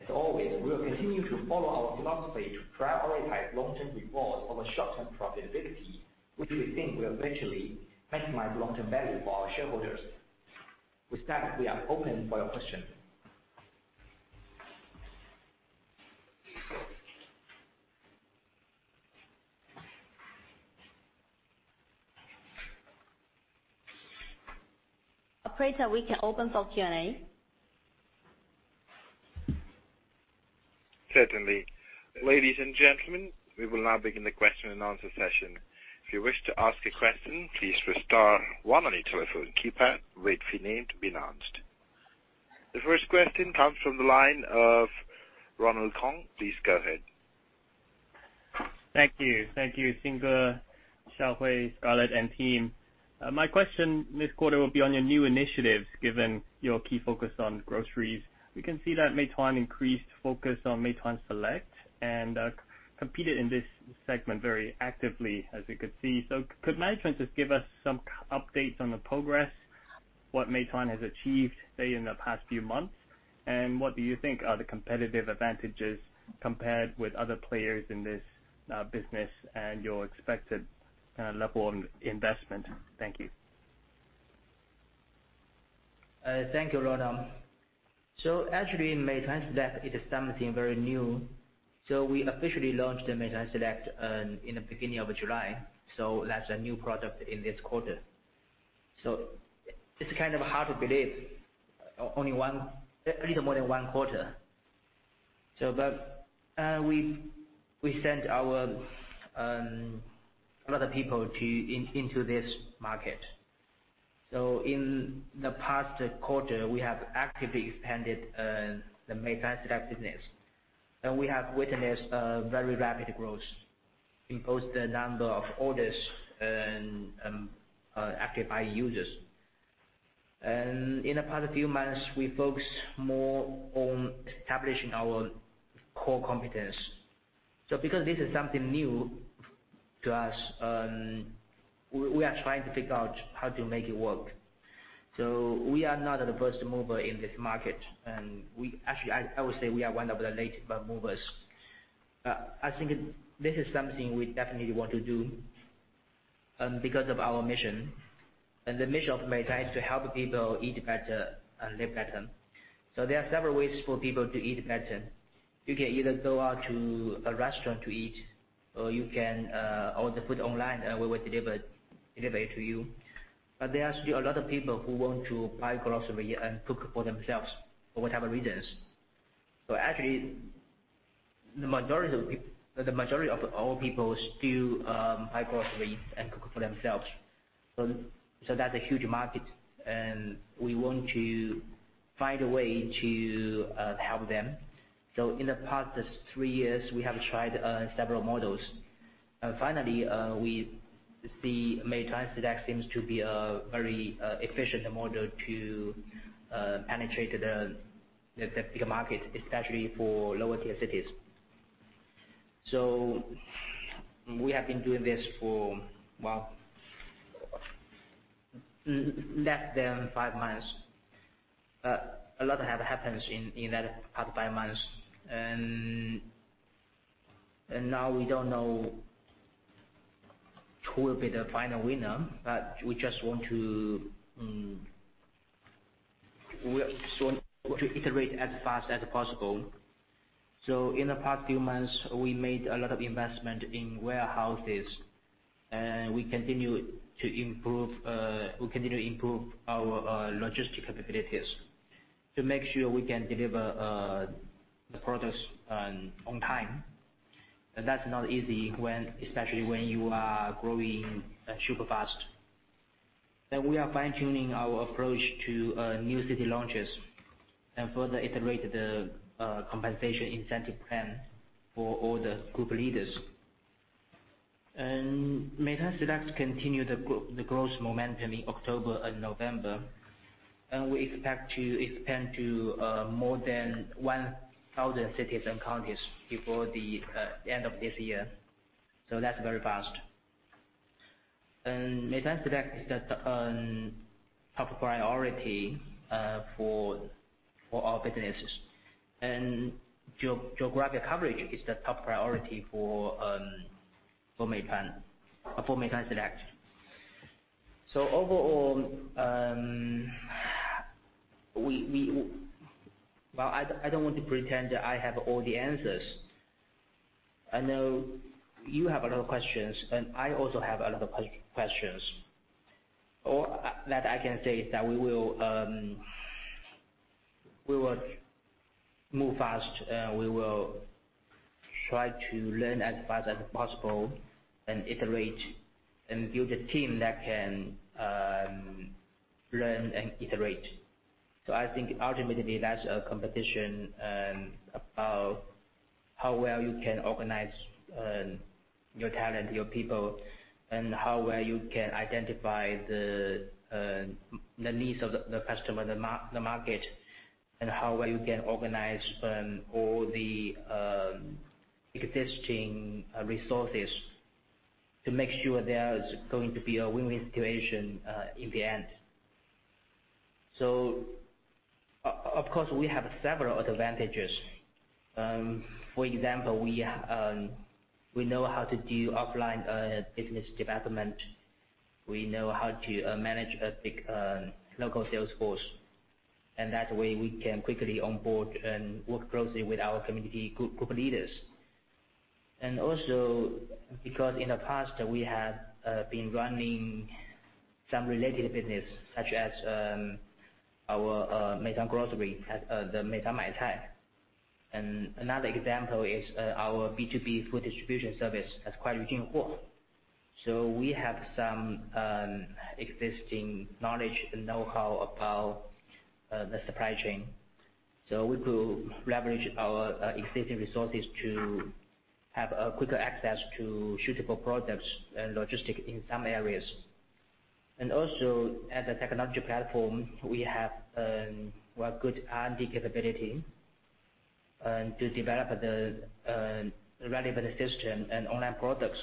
As always, we will continue to follow our philosophy to prioritize long-term rewards over short-term profitability, which we think will eventually maximize long-term value for our shareholders. With that, we are open for your questions. Operator, we can open for Q&A. Certainly. Ladies and gentlemen, we will now begin the question and answer session. If you wish to ask a question, please press star one on your telephone keypad with your name to be announced. The first question comes from the line of Ronald Keung. Please go ahead. Thank you. Thank you, Xing Wang, Shaohui, Scarlett, and team. My question this quarter will be on your new initiatives given your key focus on groceries. We can see that Meituan increased focus on Meituan Select and competed in this segment very actively, as we could see. So could management just give us some updates on the progress, what Meituan Select has achieved, say, in the past few months, and what do you think are the competitive advantages compared with other players in this business and your expected level of investment? Thank you. Thank you, Ronald. Actually, Meituan Select is something very new. We officially launched the Meituan Select in the beginning of July. That's a new product in this quarter. It's kind of hard to believe, only a little more than one quarter. But we sent a lot of people into this market. In the past quarter, we have actively expanded the Meituan Select business. We have witnessed very rapid growth in both the number of orders acquired by users. In the past few months, we focused more on establishing our core competence. So because this is something new to us, we are trying to figure out how to make it work. So we are not the first mover in this market. Actually, I would say we are one of the latest movers. I think this is something we definitely want to do because of our mission. And the mission of Meituan is to help people eat better and live better. So there are several ways for people to eat better. You can either go out to a restaurant to eat, or you can order food online, and we will deliver it to you. But there are still a lot of people who want to buy groceries and cook for themselves for whatever reasons. So actually, the majority of all people still buy groceries and cook for themselves. That's a huge market, and we want to find a way to help them. In the past three years, we have tried several models. Finally, we see Meituan Select seems to be a very efficient model to penetrate the bigger market, especially for lower-tier cities. We have been doing this for, well, less than five months. A lot has happened in the past five months. Now we don't know who will be the final winner, but we just want to iterate as fast as possible. In the past few months, we made a lot of investment in warehouses, and we continue to improve our logistics capabilities to make sure we can deliver the products on time. That's not easy, especially when you are growing super fast. We are fine-tuning our approach to new city launches and further iterate the compensation incentive plan for all the group leaders. Meituan Select continued the growth momentum in October and November, and we expect to expand to more than 1,000 cities and counties before the end of this year. That's very fast. Meituan Select is the top priority for our businesses. Geographic coverage is the top priority for Meituan Select. Overall, well, I don't want to pretend that I have all the answers. I know you have a lot of questions, and I also have a lot of questions. All that I can say is that we will move fast. We will try to learn as fast as possible and iterate and build a team that can learn and iterate. So I think ultimately, that's a competition about how well you can organize your talent, your people, and how well you can identify the needs of the customer, the market, and how well you can organize all the existing resources to make sure there's going to be a win-win situation in the end. So of course, we have several advantages. For example, we know how to do offline business development. We know how to manage a big local sales force. And that way, we can quickly onboard and work closely with our community group leaders. And also, because in the past, we have been running some related business, such as our Meituan Grocery, the Meituan InstaMart. And another example is our B2B food distribution service that's quite mature. So we have some existing knowledge and know-how about the supply chain. We could leverage our existing resources to have quicker access to suitable products and logistics in some areas. And also, as a technology platform, we have a good R&D capability to develop the relevant system and online products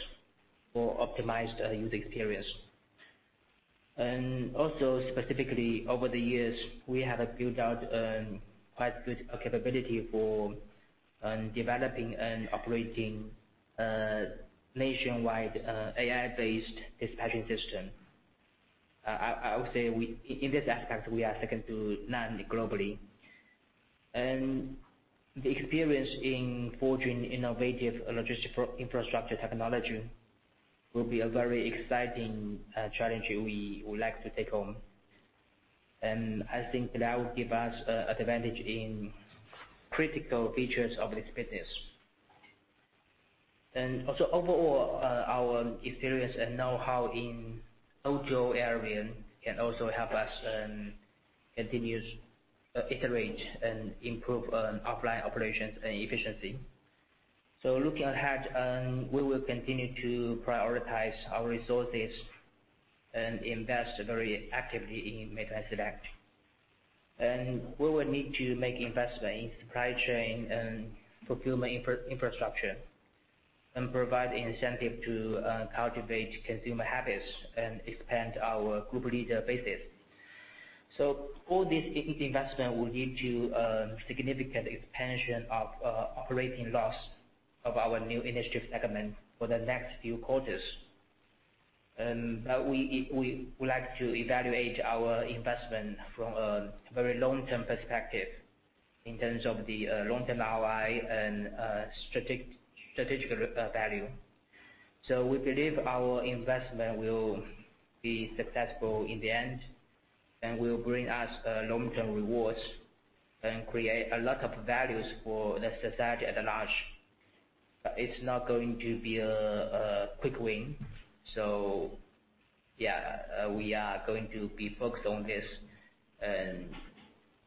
for optimized user experience. And also, specifically, over the years, we have built out quite good capability for developing and operating a nationwide AI-based dispatching system. I would say in this aspect, we are second to none globally. And the experience in forging innovative logistics infrastructure technology will be a very exciting challenge we would like to take on. And I think that will give us an advantage in critical features of this business. And also, overall, our experience and know-how in the O2O area can also help us continue to iterate and improve offline operations and efficiency. So looking ahead, we will continue to prioritize our resources and invest very actively in Meituan Select. And we will need to make investments in supply chain and fulfillment infrastructure and provide incentives to cultivate consumer habits and expand our group leader basis. So all this investment will lead to significant expansion of operating loss of our new initiative segment for the next few quarters. But we would like to evaluate our investment from a very long-term perspective in terms of the long-term ROI and strategic value. So we believe our investment will be successful in the end and will bring us long-term rewards and create a lot of values for the society at large. But it's not going to be a quick win. So yeah, we are going to be focused on this.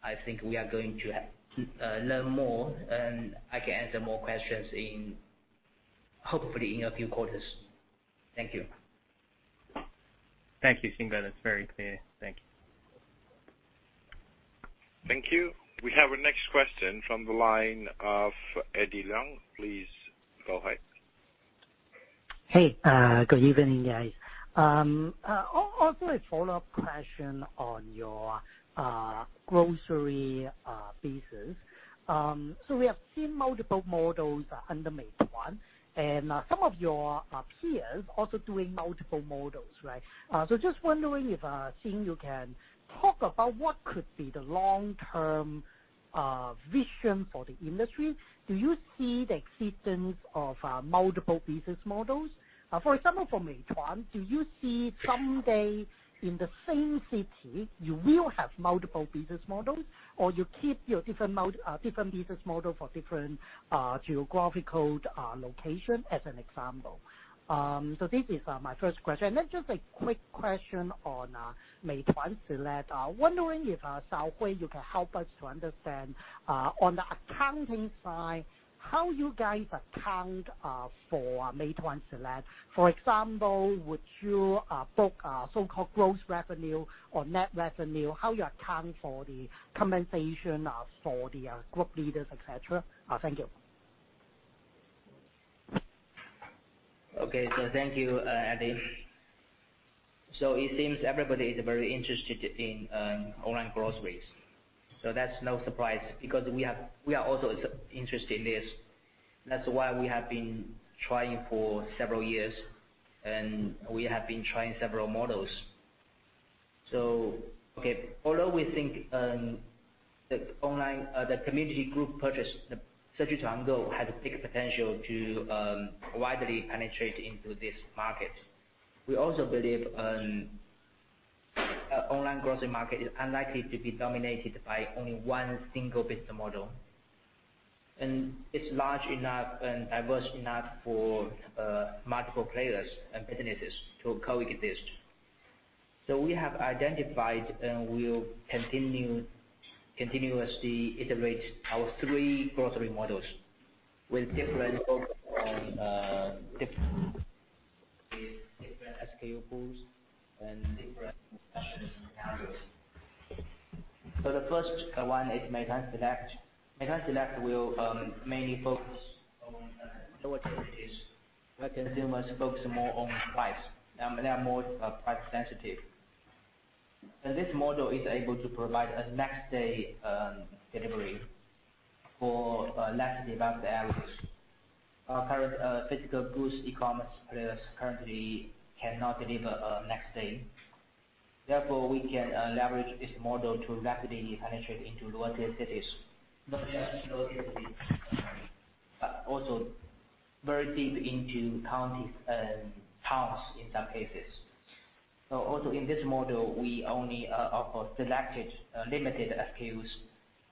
I think we are going to learn more and I can answer more questions, hopefully, in a few quarters. Thank you. Thank you, Xing. That's very clear. Thank you. Thank you. We have a next question from the line of Eddie Leung. Please go ahead. Hey, good evening, guys. Also, a follow-up question on your grocery business. So we have seen multiple models under Meituan. And some of your peers are also doing multiple models, right? So just wondering if Xing can talk about what could be the long-term vision for the industry. Do you see the existence of multiple business models? For example, for Meituan, do you see someday in the same city, you will have multiple business models, or you keep your different business models for different geographical locations, as an example? So this is my first question. And then just a quick question on Meituan Select. Wondering if, Shaohui, you can help us to understand on the accounting side, how you guys account for Meituan Select? For example, would you book so-called gross revenue or net revenue? How do you account for the compensation for the group leaders, etc.? Thank you. Okay. So thank you, Eddie. So it seems everybody is very interested in online groceries. So that's no surprise because we are also interested in this. That's why we have been trying for several years, and we have been trying several models. So okay, although we think the community group purchase, the Shequ Tuangou, has a big potential to widely penetrate into this market, we also believe an online grocery market is unlikely to be dominated by only one single business model. It's large enough and diverse enough for multiple players and businesses to co-exist. We have identified and will continuously iterate our three grocery models with different SKU pools and different discussion scenarios. The first one is Meituan Select. Meituan Select will mainly focus on lower-tier cities where consumers focus more on price. They are more price-sensitive. This model is able to provide a next-day delivery for less developed areas. Our current physical goods e-commerce players currently cannot deliver next-day. Therefore, we can leverage this model to rapidly penetrate into lower-tier cities, not just lower-tier cities, but also very deep into counties and towns in some cases. Also in this model, we only offer selected, limited SKUs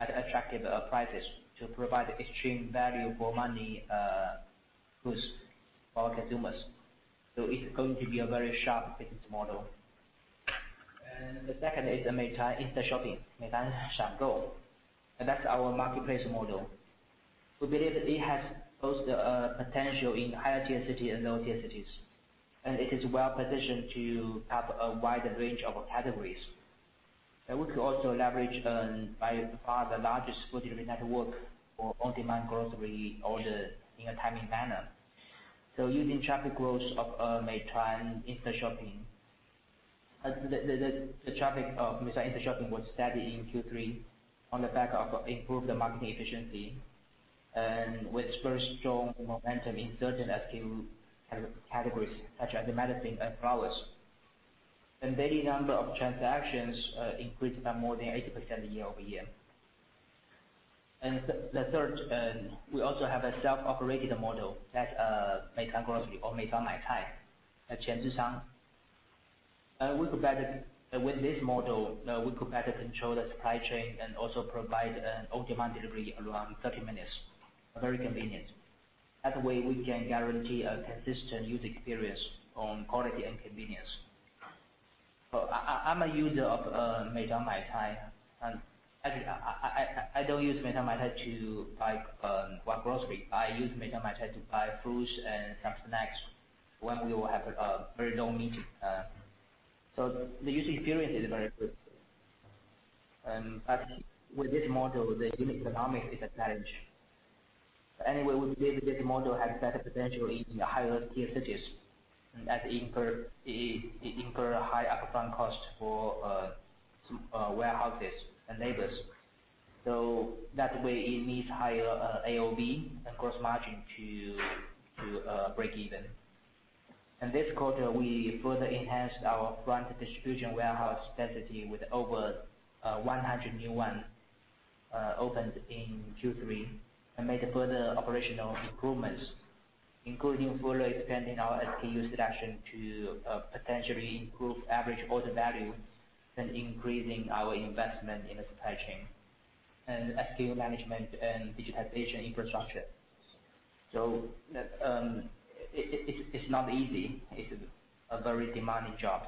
at attractive prices to provide extreme value for money goods for consumers. It's going to be a very sharp business model. The second is Meituan Insta-Shopping, Meituan Shangou. That's our marketplace model. We believe it has both the potential in higher-tier cities and lower-tier cities. It is well-positioned to cover a wide range of categories. We could also leverage and buy the largest food delivery network for on-demand grocery orders in a timely manner. Using traffic growth of Meituan Insta-Shopping, the traffic of Meituan Insta-Shopping was steady in Q3 on the back of improved marketing efficiency and with very strong momentum in certain SKU categories such as medicine and flowers. Daily number of transactions increased by more than 80% year over year. The third, we also have a self-operated model that's Meituan Grocery or Meituan Maicai at Qianzhicang. With this model, we could better control the supply chain and also provide an on-demand delivery around 30 minutes. Very convenient. That way, we can guarantee a consistent user experience on quality and convenience. So I'm a user of Meituan Waimai. Actually, I don't use Meituan Waimai to buy grocery. I use Meituan Waimai to buy fruits and some snacks when we will have a very long meeting. So the user experience is very good. But with this model, the unit economics is a challenge. Anyway, we believe this model has better potential in higher-tier cities as it incurs high upfront costs for warehouses and labors. So that way, it needs higher AOV and gross margin to break even. This quarter, we further enhanced our front distribution warehouse density with over 100 new ones opened in Q3 and made further operational improvements, including further expanding our SKU selection to potentially improve average order value and increasing our investment in the supply chain and SKU management and digitization infrastructure. It's not easy. It's a very demanding job.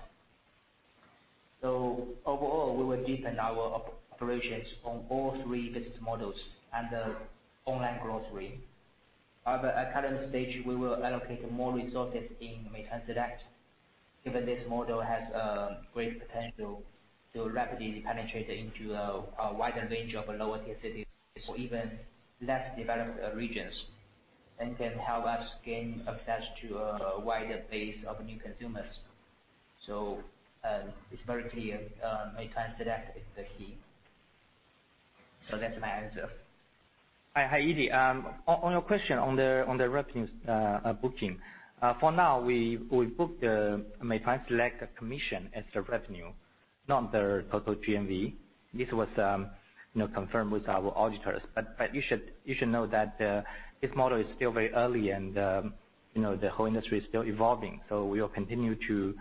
Overall, we will deepen our operations on all three business models and the online grocery. At the current stage, we will allocate more resources in Meituan Select given this model has great potential to rapidly penetrate into a wider range of lower-tier cities or even less developed regions and can help us gain access to a wider base of new consumers. It's very clear Meituan Select is the key. That's my answer. Hi, Eddie. On your question on the revenue booking, for now, we booked the Meituan Select commission as the revenue, not the total GMV. This was confirmed with our auditors, but you should know that this model is still very early, and the whole industry is still evolving, so we will continue to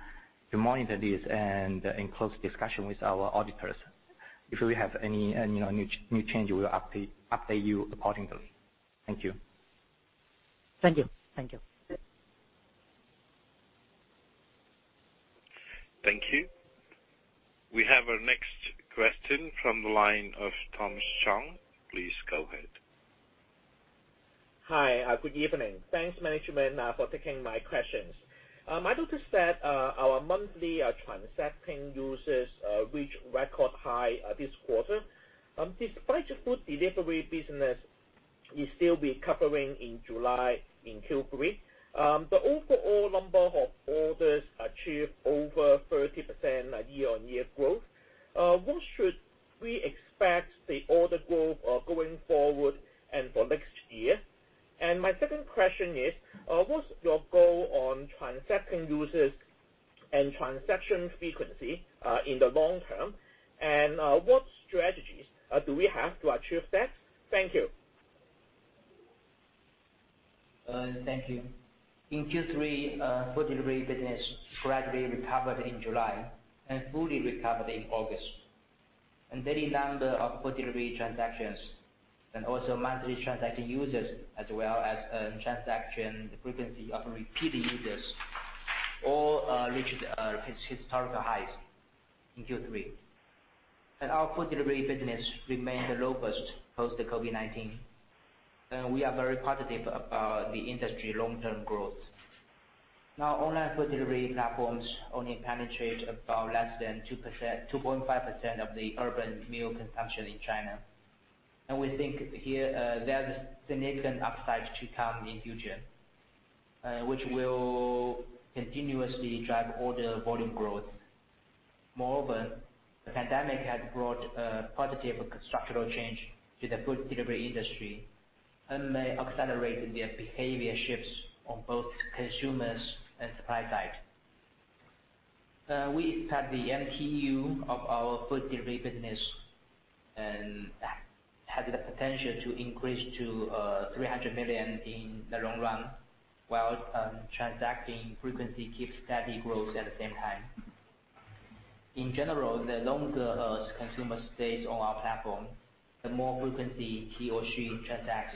monitor this and in close discussion with our auditors. If we have any new change, we will update you accordingly. Thank you. We have our next question from the line of Thomas Chong. Please go ahead. Hi. Good evening. Thanks, Management, for taking my questions. I noticed that our monthly transacting users reached record high this quarter. Despite the food delivery business, we still recovering in July in Q3. The overall number of orders achieved over 30% year-on-year growth. What should we expect the order growth going forward and for next year? And my second question is, what's your goal on transacting users and transaction frequency in the long term? And what strategies do we have to achieve that? Thank you. Thank you. In Q3, food delivery business gradually recovered in July and fully recovered in August. And daily number of food delivery transactions and also monthly transacting users, as well as transaction frequency of repeat users, all reached historical highs in Q3. And our food delivery business remained the lowest post-COVID-19. And we are very positive about the industry long-term growth. Now, online food delivery platforms only penetrate about less than 2.5% of the urban meal consumption in China. And we think there's a significant upside to come in the future, which will continuously drive order volume growth. Moreover, the pandemic has brought a positive structural change to the food delivery industry and may accelerate the behavior shifts on both consumers and supply side. We expect the MTU of our food delivery business has the potential to increase to 300 million in the long run while transacting frequency keeps steady growth at the same time. In general, the longer consumers stay on our platform, the more frequently he or she transacts.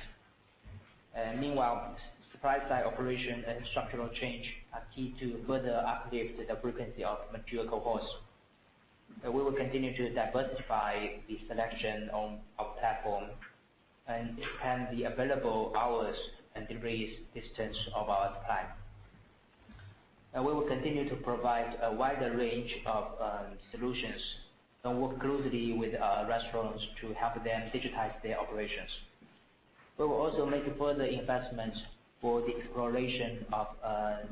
Meanwhile, supply-side operation and structural change are key to further uplift the frequency of mature cohorts. We will continue to diversify the selection on our platform and expand the available hours and delivery distance of our supply. We will continue to provide a wider range of solutions and work closely with restaurants to help them digitize their operations. We will also make further investments for the exploration of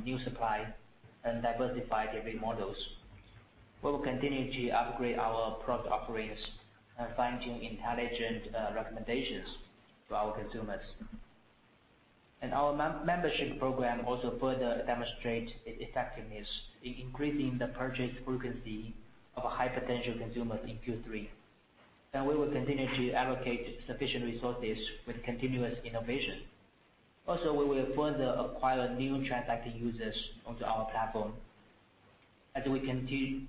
new supply and diversify delivery models. We will continue to upgrade our product offerings and fine-tune intelligent recommendations for our consumers. And our membership program also further demonstrates its effectiveness in increasing the purchase frequency of high-potential consumers in Q3. And we will continue to allocate sufficient resources with continuous innovation. Also, we will further acquire new transacting users onto our platform as we continue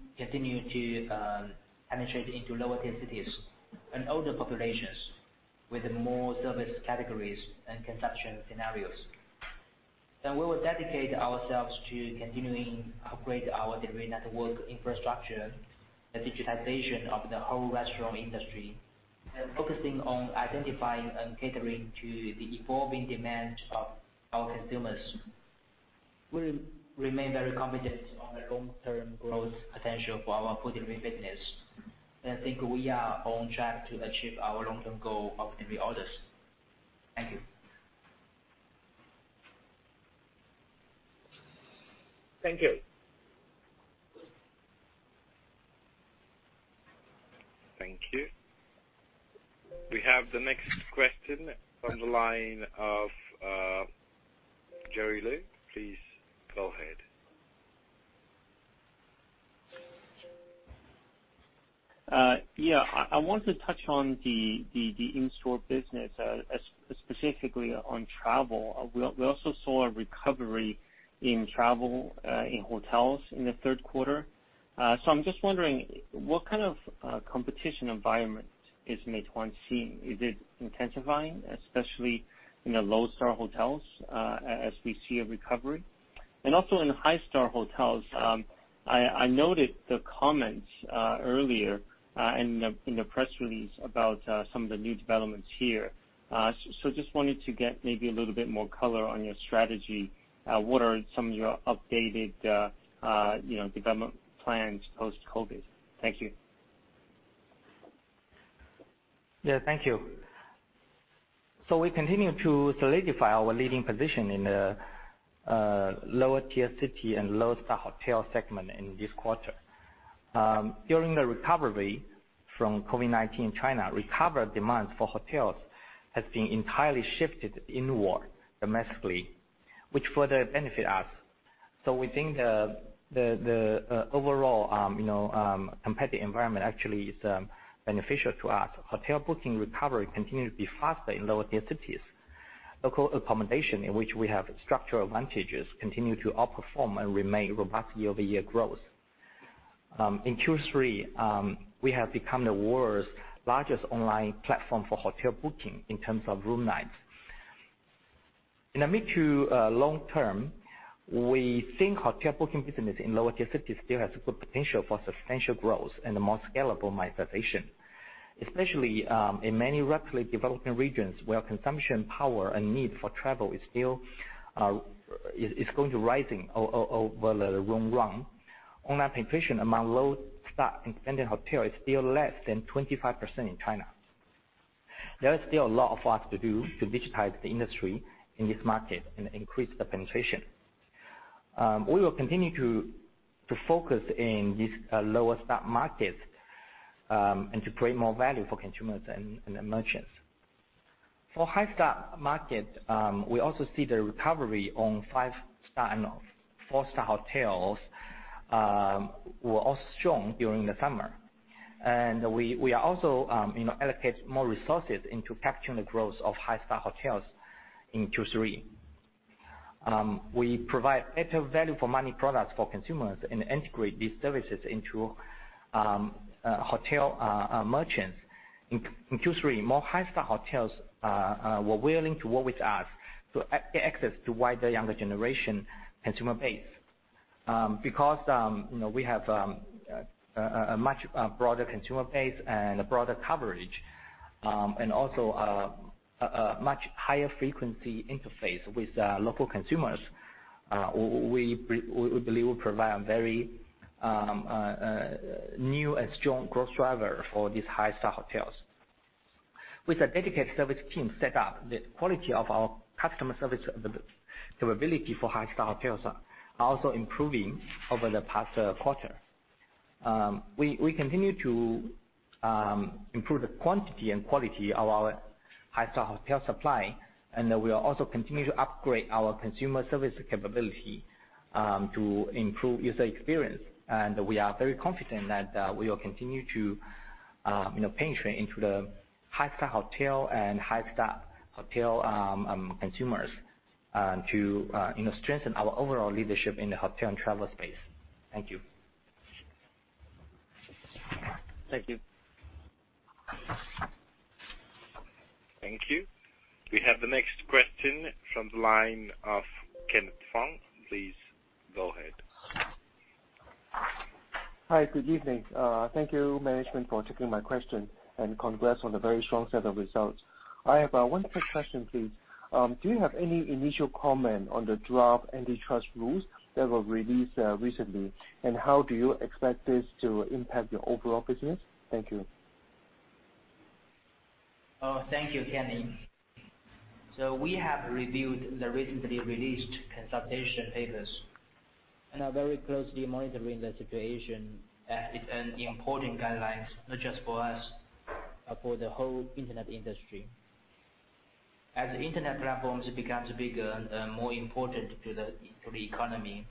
to penetrate into lower-tier cities and older populations with more service categories and consumption scenarios. And we will dedicate ourselves to continuing to upgrade our delivery network infrastructure, the digitization of the whole restaurant industry, and focusing on identifying and catering to the evolving demands of our consumers. We remain very confident on the long-term growth potential for our food delivery business. And I think we are on track to achieve our long-term goal of delivery orders. Thank you. Thank you. Thank you. We have the next question from the line of Jerry Liu. Please go ahead. Yeah. I wanted to touch on the in-store business, specifically on travel. We also saw a recovery in travel in hotels in the third quarter. So I'm just wondering, what kind of competition environment is Meituan seeing? Is it intensifying, especially in the low-star hotels, as we see a recovery? And also in high-star hotels, I noted the comments earlier in the press release about some of the new developments here. So just wanted to get maybe a little bit more color on your strategy. What are some of your updated development plans post-COVID? Thank you. Yeah. Thank you. So we continue to solidify our leading position in the lower-tier city and low-star hotel segment in this quarter. During the recovery from COVID-19 in China, recovered demands for hotels have been entirely shifted inward domestically, which further benefits us. So we think the overall competitive environment actually is beneficial to us. Hotel booking recovery continues to be faster in lower-tier cities. Local accommodation, in which we have structural advantages, continues to outperform and remain robust year-over-year growth. In Q3, we have become the world's largest online platform for hotel booking in terms of room nights. In the mid to long term, we think hotel booking business in lower-tier cities still has good potential for substantial growth and more scalable monetization, especially in many rapidly developing regions where consumption power and need for travel is going to be rising over the long run. Online penetration among low-star independent hotels is still less than 25% in China. There is still a lot for us to do to digitize the industry in this market and increase the penetration. We will continue to focus in these lower-star markets and to create more value for consumers and merchants. For high-star markets, we also see the recovery on five-star and four-star hotels were also strong during the summer. And we are also allocating more resources into capturing the growth of high-star hotels in Q3. We provide better value-for-money products for consumers and integrate these services into hotel merchants. In Q3, more high-star hotels were willing to work with us to get access to a wider younger generation consumer base because we have a much broader consumer base and a broader coverage and also a much higher frequency interface with local consumers. We believe we provide a very new and strong growth driver for these high-star hotels. With a dedicated service team set up, the quality of our customer service capability for high-star hotels is also improving over the past quarter. We continue to improve the quantity and quality of our high-star hotel supply. And we will also continue to upgrade our consumer service capability to improve user experience. And we are very confident that we will continue to penetrate into the high-star hotel and high-star hotel consumers to strengthen our overall leadership in the hotel and travel space. Thank you. Thank you. Thank you. We have the next question from the line of Kenneth Fong. Please go ahead. Hi. Good evening. Thank you, Management, for taking my question and congrats on the very strong set of results. I have one quick question, please. Do you have any initial comment on the draft antitrust rules that were released recently? And how do you expect this to impact your overall business? Thank you. Oh, thank you, Kenny. So we have reviewed the recently released consultation papers and are very closely monitoring the situation. It's an important guideline, not just for us, but for the whole internet industry. As internet platforms become bigger and more important to the economy,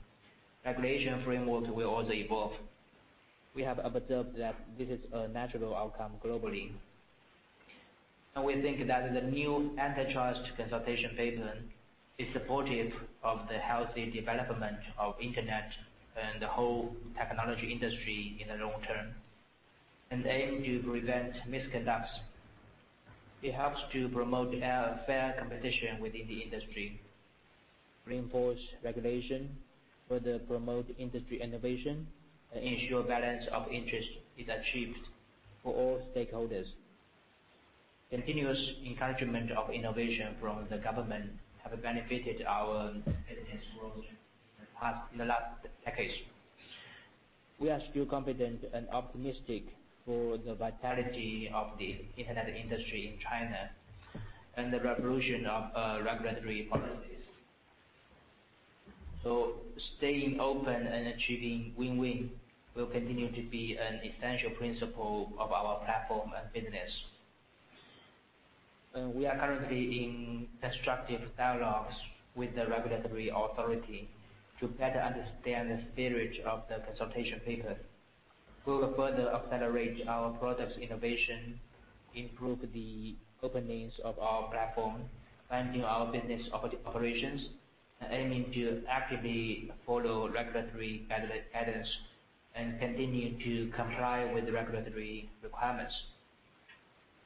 regulation frameworks will also evolve. We have observed that this is a natural outcome globally. And we think that the new antitrust consultation paper is supportive of the healthy development of internet and the whole technology industry in the long term and aim to prevent misconducts. It helps to promote fair competition within the industry, reinforce regulation, further promote industry innovation, and ensure balance of interest is achieved for all stakeholders. Continuous encouragement of innovation from the government has benefited our business growth in the last decades. We are still confident and optimistic for the vitality of the internet industry in China and the revolution of regulatory policies, so staying open and achieving win-win will continue to be an essential principle of our platform and business. We are currently in constructive dialogues with the regulatory authority to better understand the spirit of the consultation paper. We will further accelerate our product's innovation, improve the openings of our platform, fine-tune our business operations, and aim to actively follow regulatory guidance and continue to comply with regulatory requirements.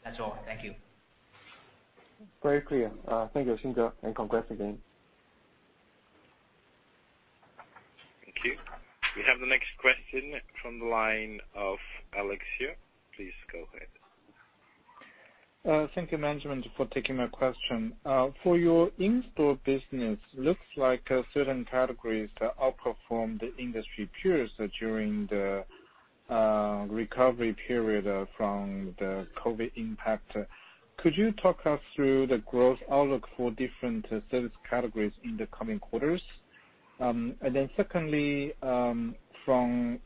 That's all. Thank you. Very clear. Thank you, Xing Wang, and congrats again. Thank you. We have the next question from the line of Alex Yao. Please go ahead. Thank you, Management, for taking my question. For your in-store business, it looks like certain categories outperformed the industry peers during the recovery period from the COVID impact. Could you talk us through the growth outlook for different service categories in the coming quarters? And then secondly, from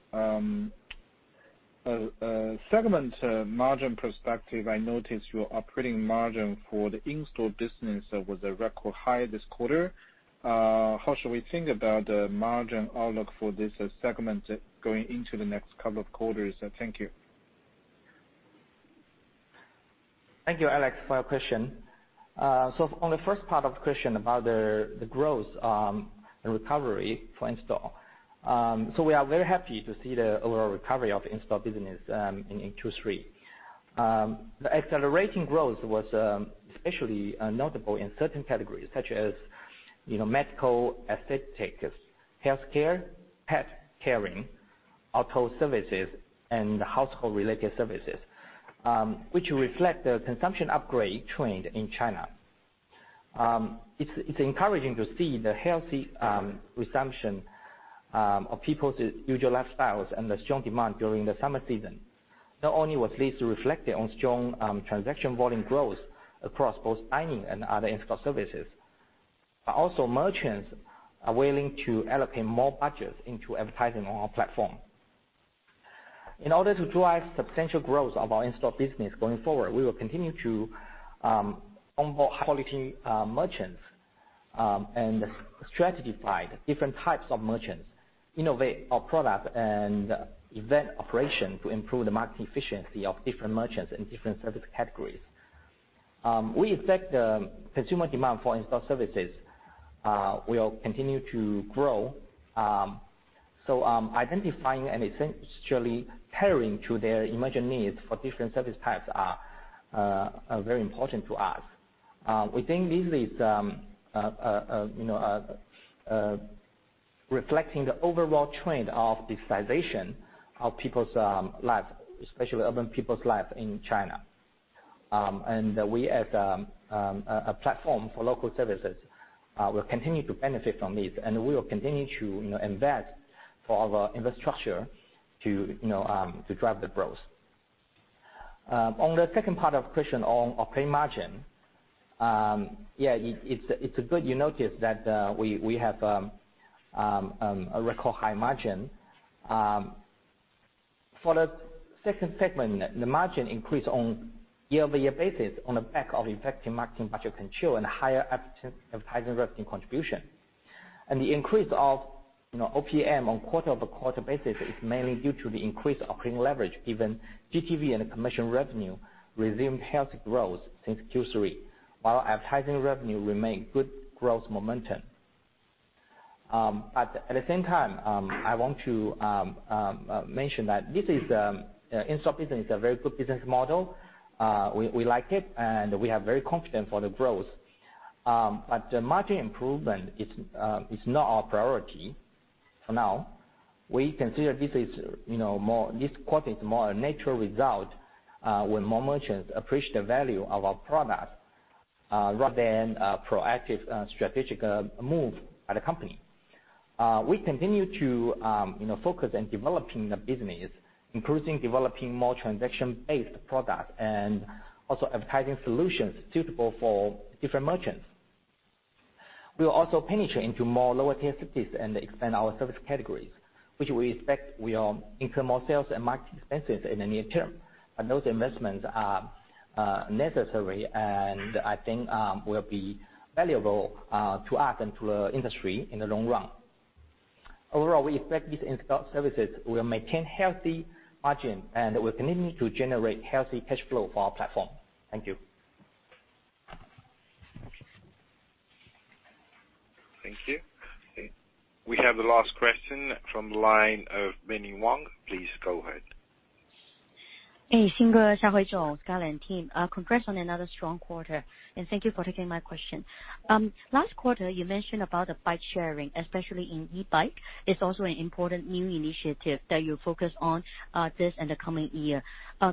a segment margin perspective, I noticed your operating margin for the in-store business was a record high this quarter. How should we think about the margin outlook for this segment going into the next couple of quarters? Thank you. Thank you, Alex, for your question. So on the first part of the question about the growth and recovery for in-store, so we are very happy to see the overall recovery of the in-store business in Q3. The accelerating growth was especially notable in certain categories such as medical, aesthetic, healthcare, pet caring, auto services, and household-related services, which reflect the consumption upgrade trend in China. It's encouraging to see the healthy resumption of people's usual lifestyles and the strong demand during the summer season. Not only was this reflected on strong transaction volume growth across both dining and other in-store services, but also merchants are willing to allocate more budgets into advertising on our platform. In order to drive substantial growth of our in-store business going forward, we will continue to onboard quality merchants and strategize different types of merchants, innovate our product, and event operations to improve the marketing efficiency of different merchants in different service categories. We expect the consumer demand for in-store services will continue to grow. So identifying and essentially pairing to their emerging needs for different service types is very important to us. We think this is reflecting the overall trend of digitization of people's lives, especially urban people's lives in China. And we, as a platform for local services, will continue to benefit from this. And we will continue to invest for our infrastructure to drive the growth. On the second part of the question on operating margin, yeah, it's good you noticed that we have a record high margin. For the second segment, the margin increased on a year-over-year basis on the back of effective marketing budget control and higher advertising revenue contribution, and the increase of OPM on quarter-over-quarter basis is mainly due to the increased operating leverage, given GTV and commission revenue resumed healthy growth since Q3, while advertising revenue remained good growth momentum, but at the same time, I want to mention that this in-store business is a very good business model. We like it, and we are very confident for the growth, but the margin improvement is not our priority for now. We consider this quarter is more a natural result when more merchants appreciate the value of our product rather than a proactive strategic move by the company. We continue to focus on developing the business, increasing developing more transaction-based products and also advertising solutions suitable for different merchants. We will also penetrate into more lower-tier cities and expand our service categories, which we expect will incur more sales and marketing expenses in the near term. But those investments are necessary, and I think will be valuable to us and to the industry in the long run. Overall, we expect these in-store services will maintain healthy margins, and we'll continue to generate healthy cash flow for our platform. Thank you. Thank you. We have the last question from the line of Binnie Wong. Please go ahead. Hey, Xing Wang, Shaohui Chen, Scarlett, and team. Congrats on another strong quarter. And thank you for taking my question. Last quarter, you mentioned about the bike sharing, especially in e-bike. It's also an important new initiative that you focus on this and the coming year.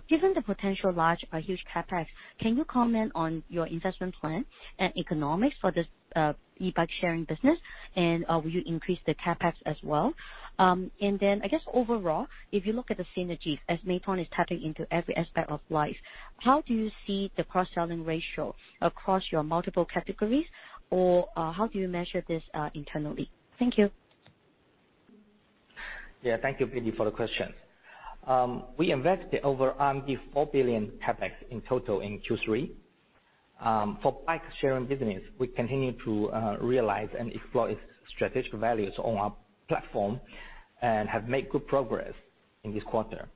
Given the potential large or huge CapEx, can you comment on your investment plan and economics for this e-bike sharing business? And will you increase the CapEx as well? And then, I guess, overall, if you look at the synergies, as Meituan is tapping into every aspect of life, how do you see the cross-selling ratio across your multiple categories? Or how do you measure this internally? Thank you. Yeah. Thank you, Binnie, for the question. We invested over 4 billion CapEx in total in Q3. For bike sharing business, we continue to realize and explore its strategic values on our platform and have made good progress in this quarter.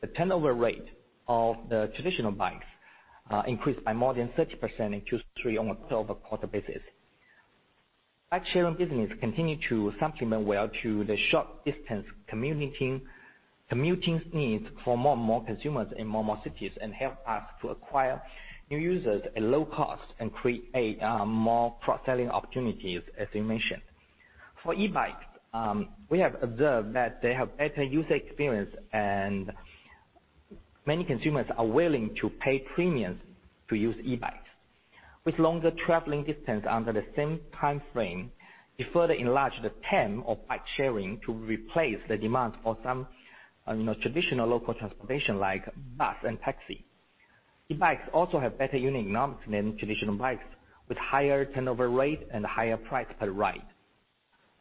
The turnover rate of the traditional bikes increased by more than 30% in Q3 on a quarter-over-quarter basis. Bike-sharing business continues to supplement well to the short-distance commuting needs for more and more consumers in more and more cities and help us to acquire new users at low cost and create more cross-selling opportunities, as you mentioned. For e-bikes, we have observed that they have better user experience, and many consumers are willing to pay premiums to use e-bikes. With longer traveling distances under the same timeframe, we further enlarged the TAM or bike-sharing to replace the demand for some traditional local transportation like bus and taxi. E-bikes also have better unit economics than traditional bikes, with higher turnover rate and higher price per ride.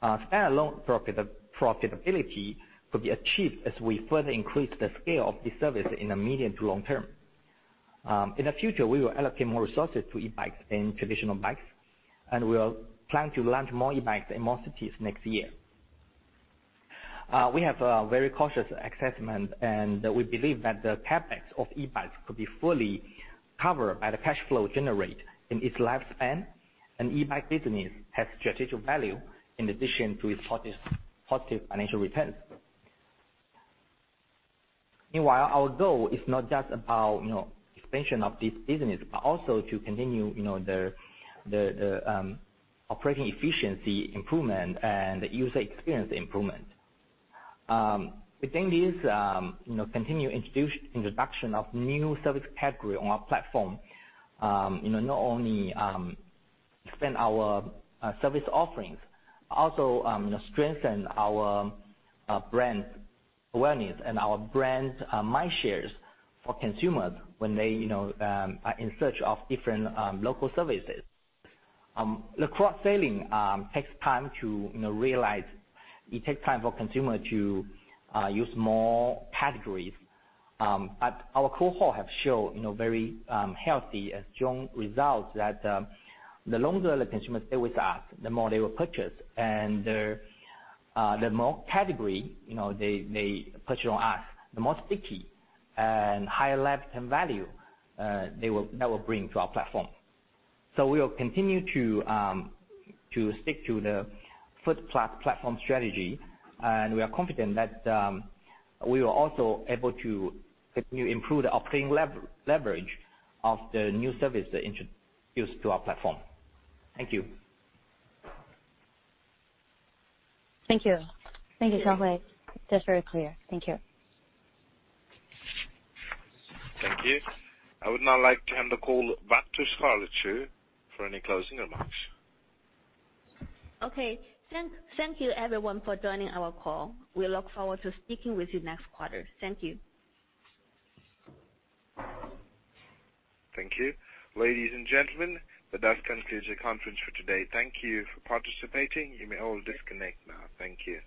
Standalone profitability could be achieved as we further increase the scale of this service in the medium to long term. In the future, we will allocate more resources to e-bikes than traditional bikes, and we will plan to launch more e-bikes in more cities next year. We have a very cautious assessment, and we believe that the CapEx of e-bikes could be fully covered by the cash flow generated in its lifespan and e-bike business has strategic value in addition to its positive financial returns. Meanwhile, our goal is not just about expansion of this business, but also to continue the operating efficiency improvement and the user experience improvement. We think this continued introduction of new service categories on our platform not only expands our service offerings, but also strengthens our brand awareness and our brand mind shares for consumers when they are in search of different local services. The cross-selling takes time to realize. It takes time for consumers to use more categories. But our cohort has shown very healthy and strong results that the longer the consumers stay with us, the more they will purchase. And the more categories they purchase on us, the more sticky and higher lifetime value they will bring to our platform. So we will continue to stick to the Food-plus platform strategy. And we are confident that we are also able to continue to improve the operating leverage of the new service introduced to our platform. Thank you. Thank you. Thank you, Shaohui Chen. That's very clear. Thank you. Thank you. I would now like to hand the call back to Scarlett Xu for any closing remarks. Okay. Thank you, everyone, for joining our call. We look forward to speaking with you next quarter. Thank you. Thank you. Ladies and gentlemen, that does conclude the conference for today. Thank you for participating. You may all disconnect now. Thank you.